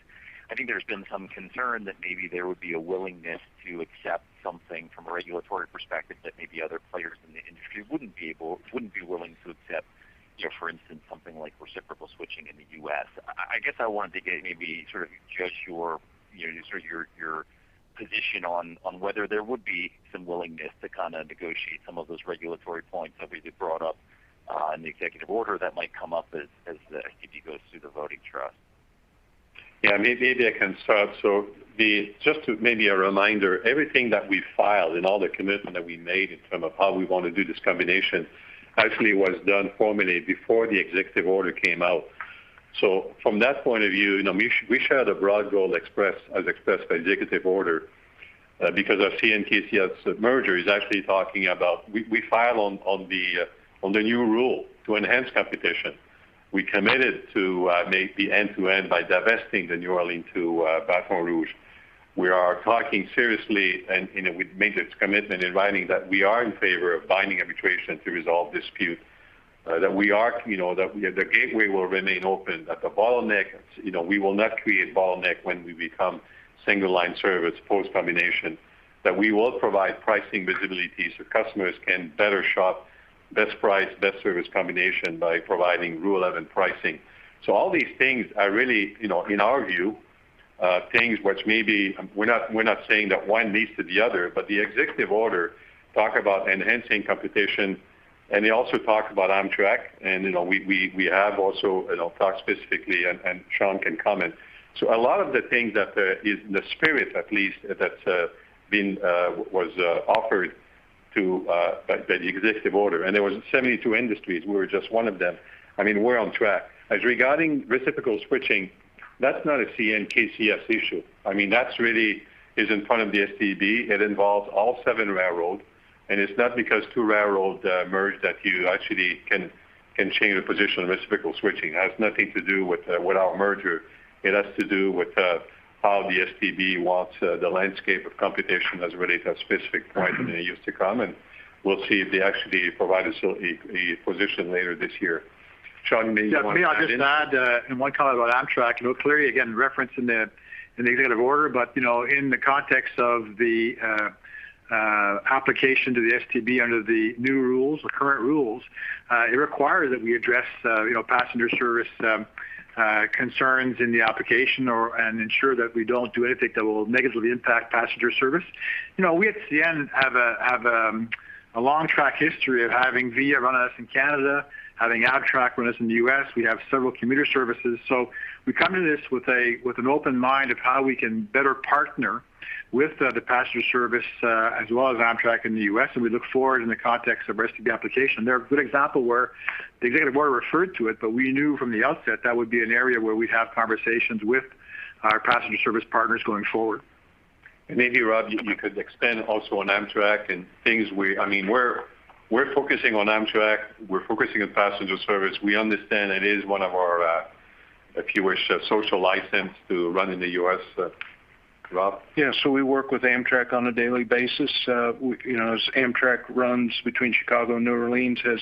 I think there's been some concern that maybe there would be a willingness to accept something from a regulatory perspective that maybe other players in the industry wouldn't be willing to accept. For instance, something like reciprocal switching in the U.S. I guess I wanted to maybe sort of gauge your position on whether there would be some willingness to negotiate some of those regulatory points that we brought up in the executive order that might come up as STB goes through the voting trust. Yeah, maybe I can start. Just maybe a reminder, everything that we filed and all the commitment that we made in terms of how we want to do this combination, actually was done formally before the executive order came out. From that point of view, we share the broad goal as expressed by executive order, because of CN-KCS merger is actually talking about. We file on the new rule to enhance competition. We committed to make the end-to-end by divesting the New Orleans to Baton Rouge. We are talking seriously, We've made this commitment in writing that we are in favor of binding arbitration to resolve dispute. That the gateway will remain open, that we will not create bottleneck when we become single line service post-combination. That we will provide pricing visibility so customers can better shop best price, best service combination by providing Rule 11 pricing. All these things are really, in our view, things which We're not saying that one leads to the other, but the executive order talk about enhancing competition, and they also talk about Amtrak, and we have also talked specifically, and Sean can comment. A lot of the things that is the spirit, at least, that was offered to the executive order. There was 72 industries, we were just one of them. We're on track. As regarding reciprocal switching, that's not a CN-KCS issue. That really is in front of the STB. It involves all seven railroads. It's not because two railroads merged that you actually can change the position of reciprocal switching. It has nothing to do with our merger. It has to do with how the STB wants the landscape of competition as it relates to that specific point. They're yet to come, and we'll see if they actually provide us a position later this year. Sean, you may want to add anything? Maybe I'll just add one comment about Amtrak. Clearly, again, referencing the executive order, but in the context of the application to the STB under the new rules or current rules, it requires that we address passenger service concerns in the application and ensure that we don't do anything that will negatively impact passenger service. We at CN have a long track history of having VIA run with us in Canada, having Amtrak run with us in the U.S. We have several commuter services. We come to this with an open mind of how we can better partner with the passenger service as well as Amtrak in the U.S., and we look forward in the context of the rest of the application. They're a good example where the executive order referred to it, but we knew from the outset that would be an area where we'd have conversations with our passenger service partners going forward. Maybe, Rob, you could expand also on Amtrak. We're focusing on Amtrak, we're focusing on passenger service. We understand it is one of our, if you wish, social license to run in the U.S. Rob? We work with Amtrak on a daily basis. As Amtrak runs between Chicago and New Orleans, has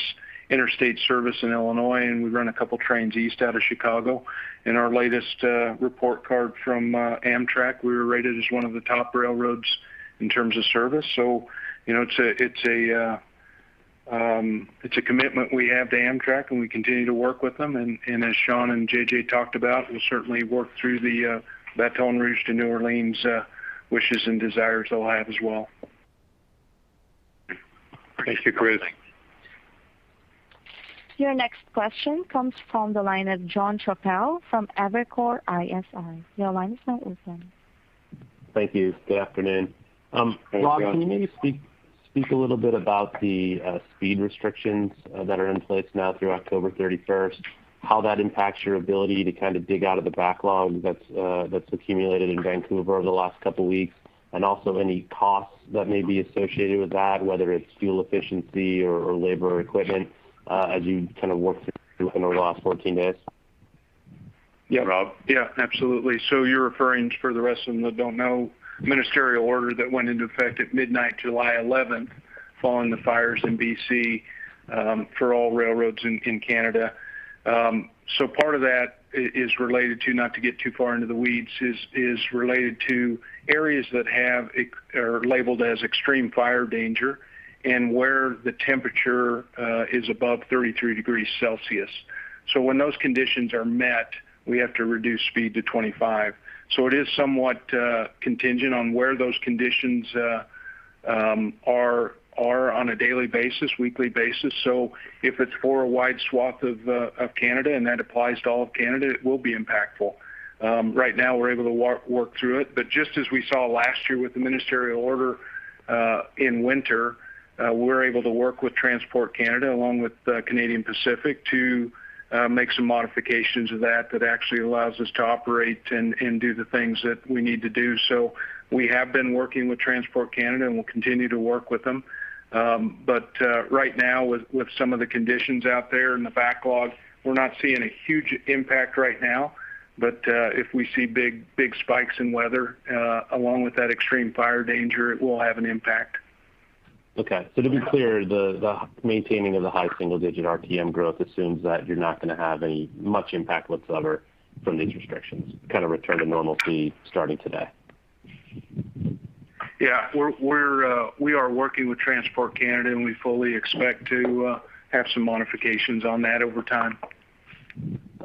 interstate service in Illinois, and we run a couple trains east out of Chicago. In our latest report card from Amtrak, we were rated as one of the top railroads in terms of service. It's a commitment we have to Amtrak, and we continue to work with them. As Sean and JJ talked about, we'll certainly work through the Baton Rouge to New Orleans wishes and desires they'll have as well. Thank you. Chris. Your next question comes from the line of Jon Chappell from Evercore ISI. Your line is now open. Thank you. Good afternoon. Rob, can you maybe speak a little bit about the speed restrictions that are in place now through October 31st, how that impacts your ability to dig out of the backlog that's accumulated in Vancouver over the last couple weeks, and also any costs that may be associated with that, whether it's fuel efficiency or labor or equipment, as you worked through over the last 14 days? Yeah. Rob. Yeah. Absolutely. You're referring, for the rest of them that don't know, ministerial order that went into effect at midnight July 11th, following the fires in B.C., for all railroads in Canada. Part of that is related to, not to get too far into the weeds, is related to areas that are labeled as extreme fire danger and where the temperature is above 33 degrees Celsius. When those conditions are met, we have to reduce speed to 25. It is somewhat contingent on where those conditions are on a daily basis, weekly basis. If it's for a wide swath of Canada and that applies to all of Canada, it will be impactful. Right now, we're able to work through it. Just as we saw last year with the ministerial order in winter, we're able to work with Transport Canada, along with Canadian Pacific, to make some modifications of that actually allows us to operate and do the things that we need to do. We have been working with Transport Canada, and we'll continue to work with them. Right now, with some of the conditions out there and the backlog, we're not seeing a huge impact right now. If we see big spikes in weather, along with that extreme fire danger, it will have an impact. Okay. To be clear, the maintaining of the high single-digit RTM growth assumes that you're not going to have much impact whatsoever from these restrictions, return to normalcy starting today. Yeah. We are working with Transport Canada, and we fully expect to have some modifications on that over time.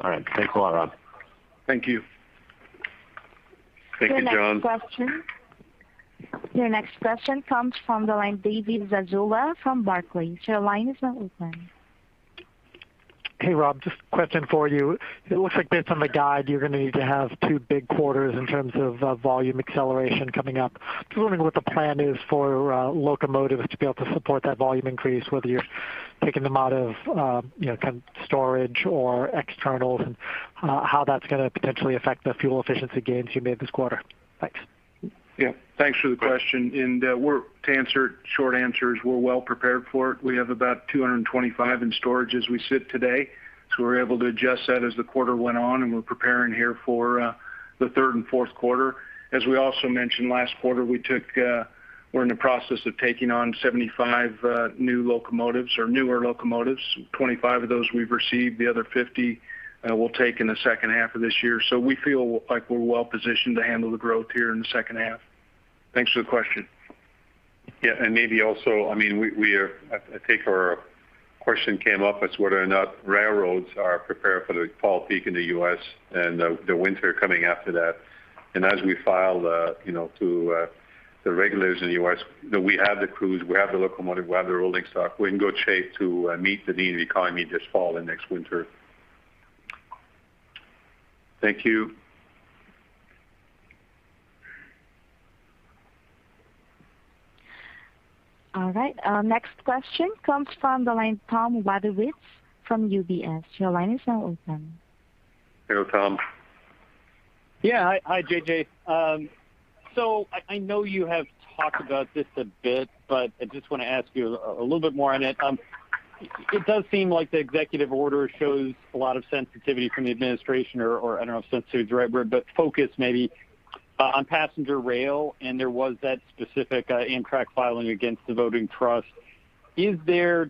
All right. Thanks a lot, Rob. Thank you. Thank you, Jon. Your next question comes from the line, David Zazula from Barclays. Your line is now open. Hey, Rob. Just a question for you. It looks like based on the guide, you're going to need to have two big quarters in terms of volume acceleration coming up. Just wondering what the plan is for locomotives to be able to support that volume increase, whether you're taking them out of storage or external, and how that's going to potentially affect the fuel efficiency gains you made this quarter. Thanks. Yeah. Thanks for the question. To answer it, short answer is we're well prepared for it. We have about 225 in storage as we sit today, so we're able to adjust that as the quarter went on, and we're preparing here for the third and fourth quarter. As we also mentioned last quarter, we're in the process of taking on 75 new locomotives or newer locomotives. 25 of those we've received. The other 50 we'll take in the second half of this year. We feel like we're well-positioned to handle the growth here in the second half. Thanks for the question. Yeah. Maybe also, I think our question came up as whether or not railroads are prepared for the fall peak in the U.S. and the winter coming after that. As we file to the regulators in the U.S., that we have the crews, we have the locomotive, we have the rolling stock, we're in good shape to meet the need of the economy this fall and next winter. Thank you. All right. Our next question comes from the line, Tom Wadewitz from UBS. Your line is now open. Hello, Tom. Yeah. Hi, JJ. I know you have talked about this a bit, but I just want to ask you a little bit more on it. It does seem like the executive order shows a lot of sensitivity from the administration or I don't know if sensitive is the right word, but focus maybe on passenger rail, and there was that specific Amtrak filing against the voting trust. Is there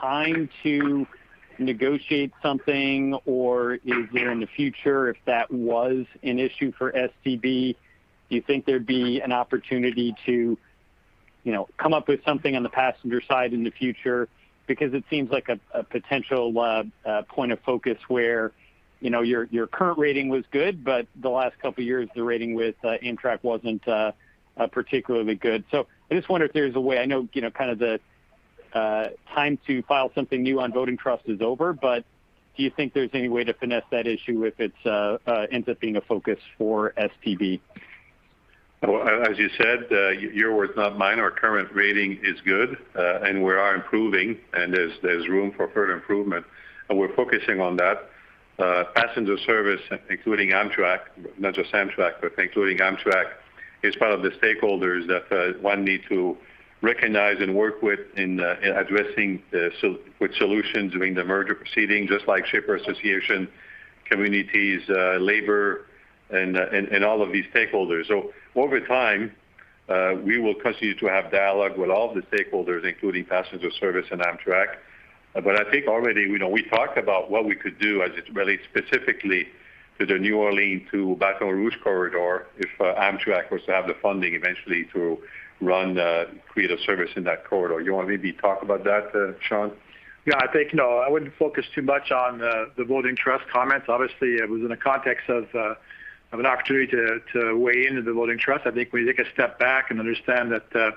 time to negotiate something or is there in the future, if that was an issue for STB, do you think there'd be an opportunity to come up with something on the passenger side in the future? It seems like a potential point of focus where your current rating was good, but the last couple of years, the rating with Amtrak wasn't particularly good. I just wonder if there's a way. I know the time to file something new on voting trust is over, but do you think there's any way to finesse that issue if it ends up being a focus for STB? As you said, your words, not mine, our current rating is good, and we are improving and there's room for further improvement, and we're focusing on that. Passenger service, including Amtrak, not just Amtrak, but including Amtrak, is part of the stakeholders that one need to recognize and work with in addressing with solutions during the merger proceeding, just like shipper association, communities, labor, and all of these stakeholders. Over time, we will continue to have dialogue with all the stakeholders, including passenger service and Amtrak. I think already we talked about what we could do as it relates specifically to the New Orleans to Baton Rouge corridor if Amtrak was to have the funding eventually to create a service in that corridor. You want maybe talk about that, Sean? Yeah. I think, no, I wouldn't focus too much on the voting trust comments. Obviously, it was in the context of an opportunity to weigh into the voting trust. I think we take a step back and understand that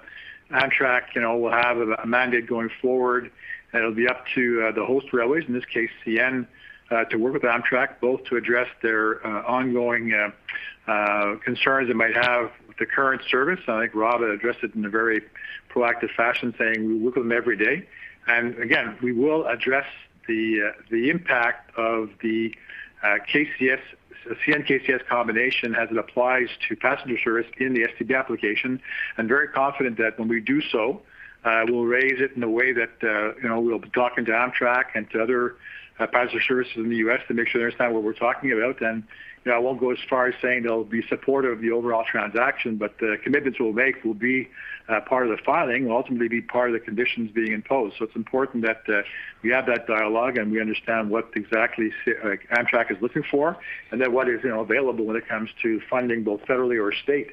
Amtrak will have a mandate going forward, and it'll be up to the host railways, in this case CN, to work with Amtrak both to address their ongoing concerns they might have with the current service. I think Rob addressed it in a very proactive fashion, saying we work with them every day. Again, we will address the impact of the CN-KCS combination as it applies to passenger service in the STB application. I'm very confident that when we do so, we'll raise it in a way that we'll be talking to Amtrak and to other passenger services in the U.S. to make sure they understand what we're talking about. I won't go as far as saying they'll be supportive of the overall transaction, but the commitments we'll make will be part of the filing and ultimately be part of the conditions being imposed. It's important that we have that dialogue and we understand what exactly Amtrak is looking for, and then what is available when it comes to funding, both federally or state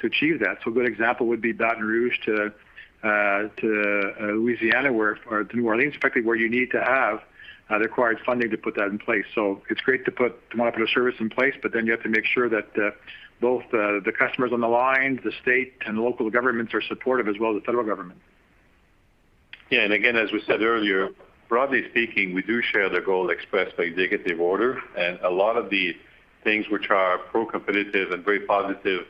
to achieve that. A good example would be Baton Rouge to Louisiana, or to New Orleans, effectively, where you need to have the required funding to put that in place. It's great to put the monopoly service in place, but then you have to make sure that both the customers on the line, the state and local governments are supportive as well, the federal government. Yeah. Again, as we said earlier, broadly speaking, we do share the goal expressed by executive order. A lot of the things which are pro-competitive and very positive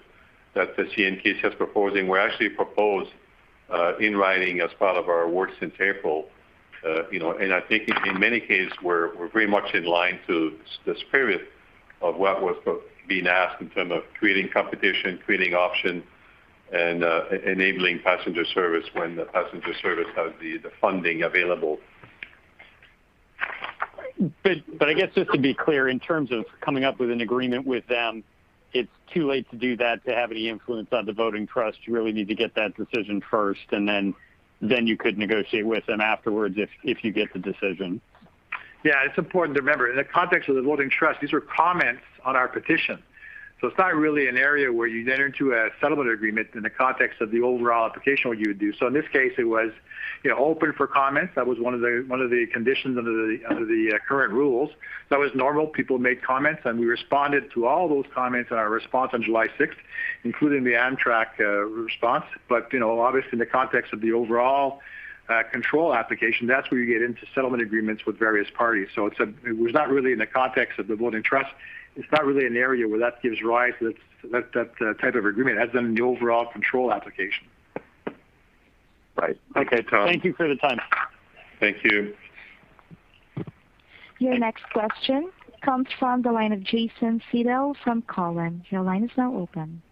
that the CN-KCS proposing were actually proposed in writing as part of our awards in April. I think in many cases, we're very much in line to the spirit of what was being asked in term of creating competition, creating option, and enabling passenger service when the passenger service has the funding available. I guess just to be clear, in terms of coming up with an agreement with them, it's too late to do that to have any influence on the voting trust. You really need to get that decision first, then you could negotiate with them afterwards if you get the decision. Yeah, it's important to remember, in the context of the voting trust, these were comments on our petition. It's not really an area where you then enter into a settlement agreement in the context of the overall application what you would do. In this case, it was open for comments. That was one of the conditions under the current rules. That was normal. People made comments, and we responded to all those comments in our response on July 6th, including the Amtrak response. Obviously in the context of the overall control application, that's where you get into settlement agreements with various parties. It was not really in the context of the voting trust. It's not really an area where that gives rise to that type of agreement as in the overall control application. Right. Okay, Tom. Thank you for the time. Thank you. Your next question comes from the line of Jason Seidl from Cowen. Your line is now open.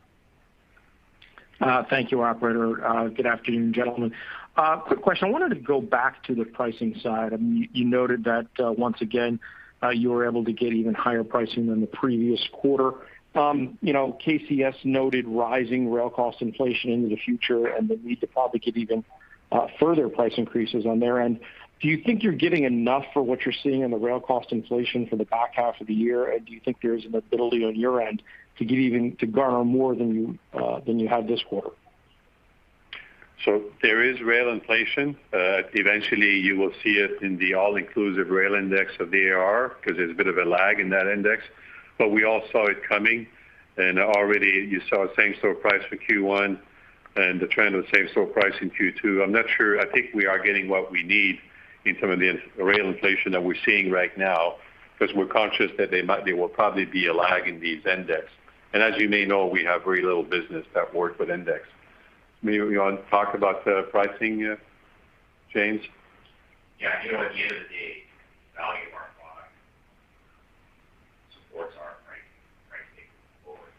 Thank you, operator. Good afternoon, gentlemen. Quick question. I wanted to go back to the pricing side. You noted that, once again, you were able to get even higher pricing than the previous quarter. KCS noted rising rail cost inflation into the future and the need to probably give even further price increases on their end. Do you think you're getting enough for what you're seeing in the rail cost inflation for the back half of the year? Do you think there's an ability on your end to garner more than you had this quarter? There is rail inflation. Eventually, you will see it in the all-inclusive rail index of the AAR, because there's a bit of a lag in that index. We all saw it coming, and already you saw same-store price for Q1 and the trend of same-store price in Q2. I'm not sure. I think we are getting what we need in some of the rail inflation that we're seeing right now, because we're conscious that there will probably be a lag in these index. As you may know, we have very little business that work with index. Maybe you want to talk about the pricing, James? Yeah. At the end of the day, the value of our product supports our pricing moving forward.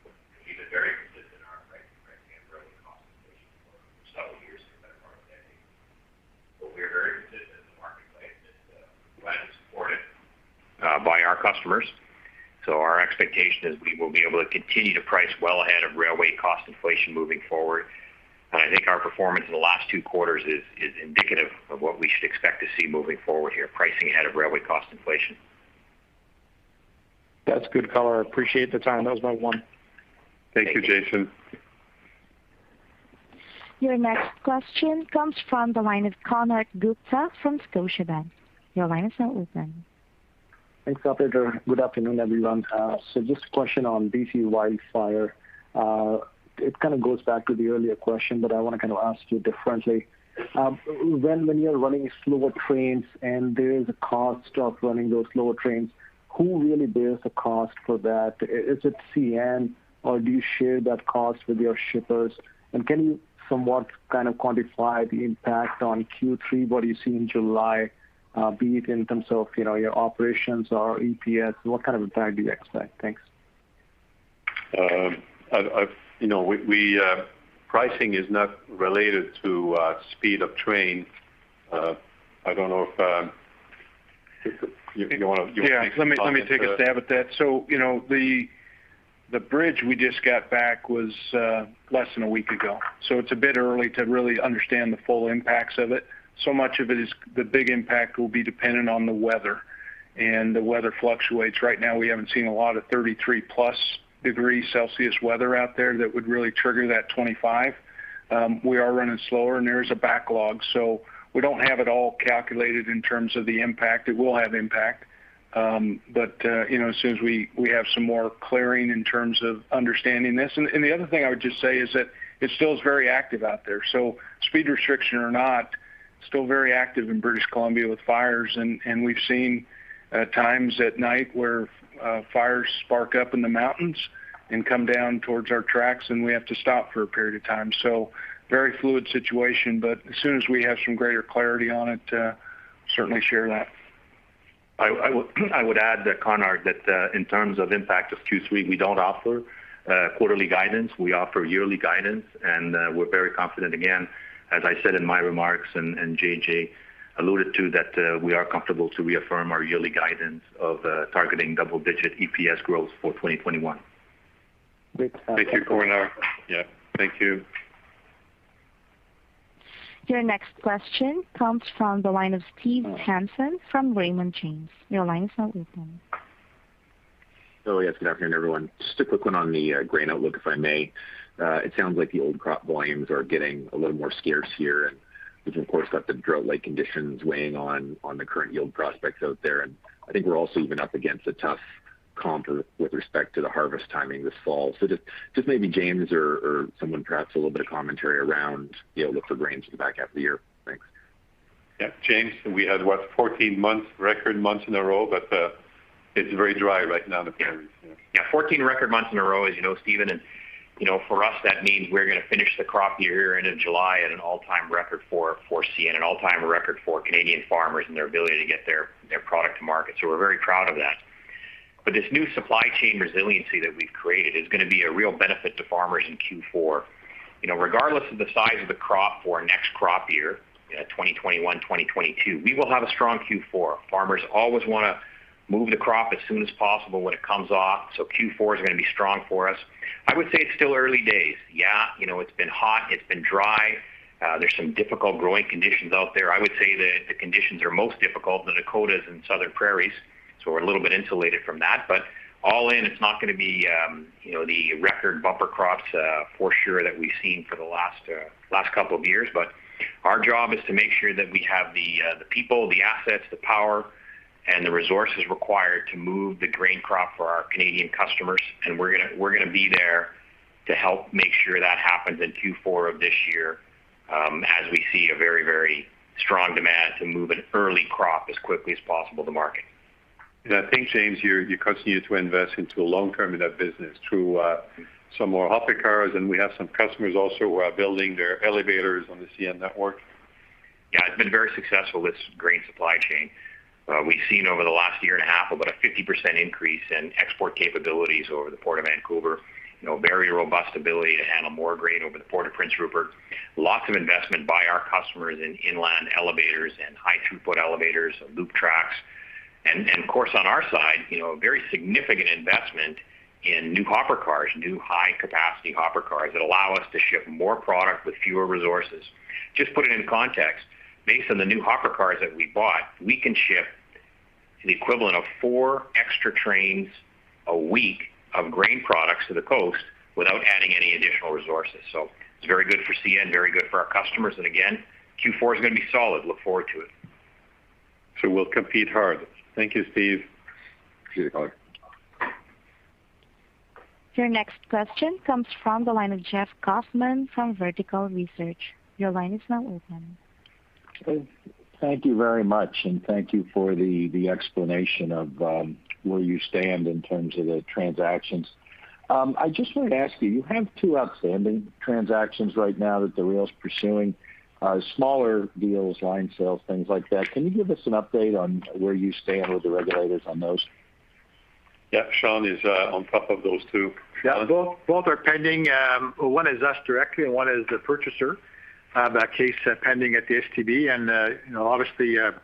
We've been very consistent in our pricing and railway cost inflation for several years for the better part of a decade. We are very confident in the marketplace that we'll have the support by our customers. Our expectation is we will be able to continue to price well ahead of railway cost inflation moving forward. I think our performance in the last two quarters is indicative of what we should expect to see moving forward here, pricing ahead of railway cost inflation. That's good color. I appreciate the time. That was my one. Thank you, Jason. Your next question comes from the line of Konark Gupta from Scotiabank. Your line is now open. Thanks, operator. Good afternoon, everyone. Just a question on B.C. wildfire. It kind of goes back to the earlier question, but I want to kind of ask you differently. When you're running slower trains and there is a cost of running those slower trains, who really bears the cost for that? Is it CN, or do you share that cost with your shippers? Can you somewhat kind of quantify the impact on Q3, what you see in July, be it in terms of your operations or EPS? What kind of impact do you expect? Thanks. Pricing is not related to speed of train. I don't know if you want to take. Yeah, let me take a stab at that. The bridge we just got back was less than a week ago, so it's a bit early to really understand the full impacts of it. Much of it is the big impact will be dependent on the weather and the weather fluctuates. Right now, we haven't seen a lot of 33+ degrees Celsius weather out there that would really trigger that 25. We are running slower, and there is a backlog, so we don't have it all calculated in terms of the impact. It will have impact. As soon as we have some more clearing in terms of understanding this. The other thing I would just say is that it still is very active out there. Speed restriction or not, still very active in British Columbia with fires, and we've seen times at night where fires spark up in the mountains and come down towards our tracks, and we have to stop for a period of time. Very fluid situation, but as soon as we have some greater clarity on it, certainly share that. I would add, Konark, that in terms of impact of Q3, we don't offer quarterly guidance. We offer yearly guidance, and we're very confident, again, as I said in my remarks and JJ alluded to, that we are comfortable to reaffirm our yearly guidance of targeting double-digit EPS growth for 2021. Great. Thank you, Konark. Yeah. Thank you. Your next question comes from the line of Steve Hansen from Raymond James. Your line is now open. Hello, yes. Good afternoon, everyone. Just a quick one on the grain outlook, if I may. It sounds like the old crop volumes are getting a little more scarce here, and we've, of course, got the drought-like conditions weighing on the current yield prospects out there. I think we're also even up against a tough comp with respect to the harvest timing this fall. Just maybe James or someone, perhaps, a little bit of commentary around the outlook for grains for the back half of the year. Thanks. Yeah. James, we had, what, 14 record months in a row, but it's very dry right now in the prairies. Yeah. 14 record months in a row, as you know, Steve Hansen, for us, that means we're going to finish the crop year here end of July at an all-time record for CN, an all-time record for Canadian farmers and their ability to get their product to market. We're very proud of that. This new supply chain resiliency that we've created is going to be a real benefit to farmers in Q4. Regardless of the size of the crop for our next crop year, 2021-2022, we will have a strong Q4. Farmers always want to move the crop as soon as possible when it comes off, Q4 is going to be strong for us. I would say it's still early days. Yeah, it's been hot. It's been dry. There's some difficult growing conditions out there. I would say that the conditions are most difficult in the Dakotas and southern prairies, so we're a little bit insulated from that. All in, it's not going to be the record bumper crops for sure that we've seen for the last couple of years. Our job is to make sure that we have the people, the assets, the power, and the resources required to move the grain crop for our Canadian customers. We're going to be there to help make sure that happens in Q4 of this year, as we see a very strong demand to move an early crop as quickly as possible to market. I think, James, you continue to invest into a long-term in that business through some more hopper cars, and we have some customers also who are building their elevators on the CN network. Yeah. It's been very successful, this grain supply chain. We've seen over the last year and a half, about a 50% increase in export capabilities over the Port of Vancouver. Very robust ability to handle more grain over the Port of Prince Rupert. Lots of investment by our customers in inland elevators and high-throughput elevators, loop tracks. Of course, on our side, a very significant investment in new hopper cars, new high-capacity hopper cars that allow us to ship more product with fewer resources. Just put it in context, based on the new hopper cars that we bought, we can ship The equivalent of four extra trains a week of grain products to the coast without adding any additional resources. It's very good for CN, very good for our customers. Again, Q4 is going to be solid. Look forward to it. We'll compete hard. Thank you, Steve. Your next question comes from the line of Jeff Kauffman from Vertical Research. Your line is now open. Thank you very much, and thank you for the explanation of where you stand in terms of the transactions. I just wanted to ask you have two outstanding transactions right now that the rail's pursuing, smaller deals, line sales, things like that. Can you give us an update on where you stand with the regulators on those? Yeah. Sean is on top of those two. Sean? Yeah, both are pending. One is us directly and one is the purchaser. That case pending at the STB and obviously, the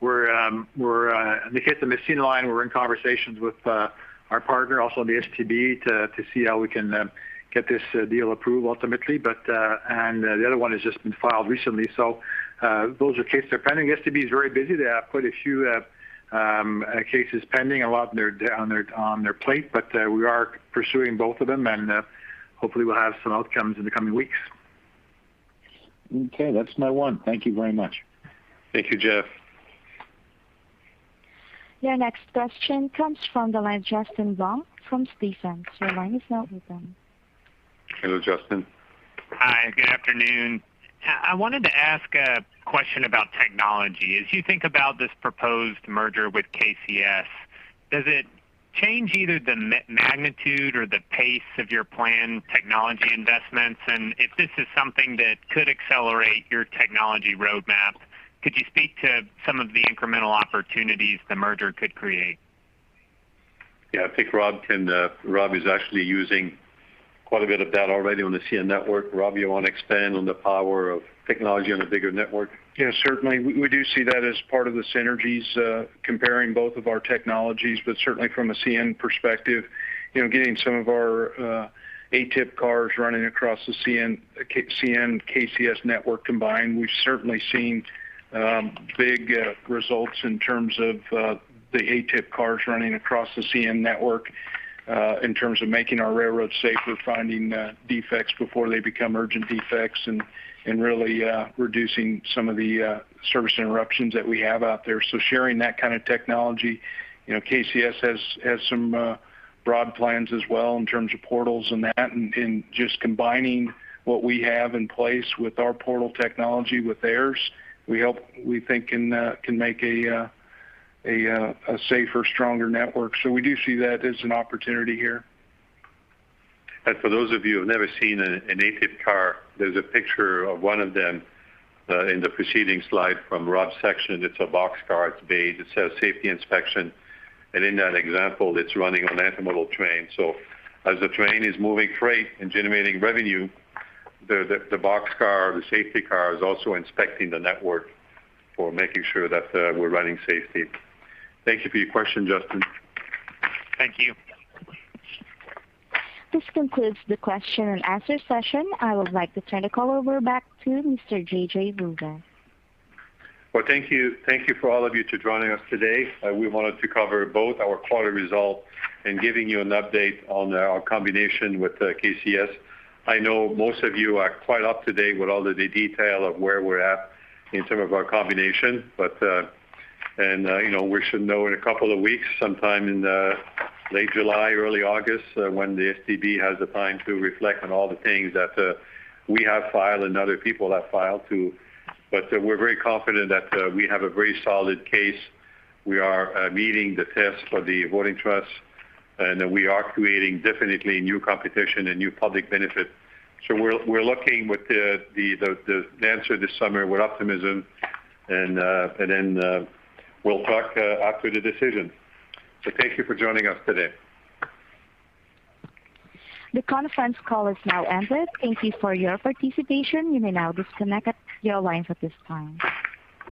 Massena ine, we're in conversations with our partner also on the STB to see how we can get this deal approved ultimately. The other one has just been filed recently. Those are cases that are pending. The STB is very busy. They have quite a few cases pending, a lot on their plate, but we are pursuing both of them and hopefully we'll have some outcomes in the coming weeks. Okay. That's my one. Thank you very much. Thank you, Jeff. Your next question comes from the line of Justin Long from Stephens. Hello, Justin. Hi, good afternoon. I wanted to ask a question about technology. As you think about this proposed merger with KCS, does it change either the magnitude or the pace of your planned technology investments? If this is something that could accelerate your technology roadmap, could you speak to some of the incremental opportunities the merger could create? Yeah. I think Rob is actually using quite a bit of that already on the CN network. Rob, you want to expand on the power of technology on the bigger network? Yeah, certainly. We do see that as part of the synergies, comparing both of our technologies, but certainly from a CN perspective, getting some of our ATIP cars running across the CN, KCS network combined. We've certainly seen big results in terms of the ATIP cars running across the CN network, in terms of making our railroads safer, finding defects before they become urgent defects and really reducing some of the service interruptions that we have out there. Sharing that kind of technology. KCS has some broad plans as well in terms of portals and that, and just combining what we have in place with our portal technology, with theirs, we think can make a safer, stronger network. We do see that as an opportunity here. For those of you who've never seen an ATIP car, there's a picture of one of them in the preceding slide from Rob's section. It's a boxcar. It's beige. It says safety inspection. And in that example, it's running on an intermodal train. So as the train is moving freight and generating revenue, the boxcar, the safety car, is also inspecting the network for making sure that we're running safely. Thank you for your question, Justin. Thank you. This concludes the question and answer session. I would like to turn the call over back to Mr. JJ Ruest. Thank you for all of you to joining us today. We wanted to cover both our quarter results and giving you an update on our combination with KCS. I know most of you are quite up to date with all of the detail of where we're at in terms of our combination. We should know in a couple of weeks, sometime in late July, early August, when the STB has the time to reflect on all the things that we have filed and other people have filed too. We're very confident that we have a very solid case. We are meeting the test for the voting trust and we are creating definitely new competition and new public benefit. We're looking with the answer this summer with optimism and then we'll talk after the decision. Thank you for joining us today. The conference call is now ended. Thank you for your participation. You may now disconnect your lines at this time.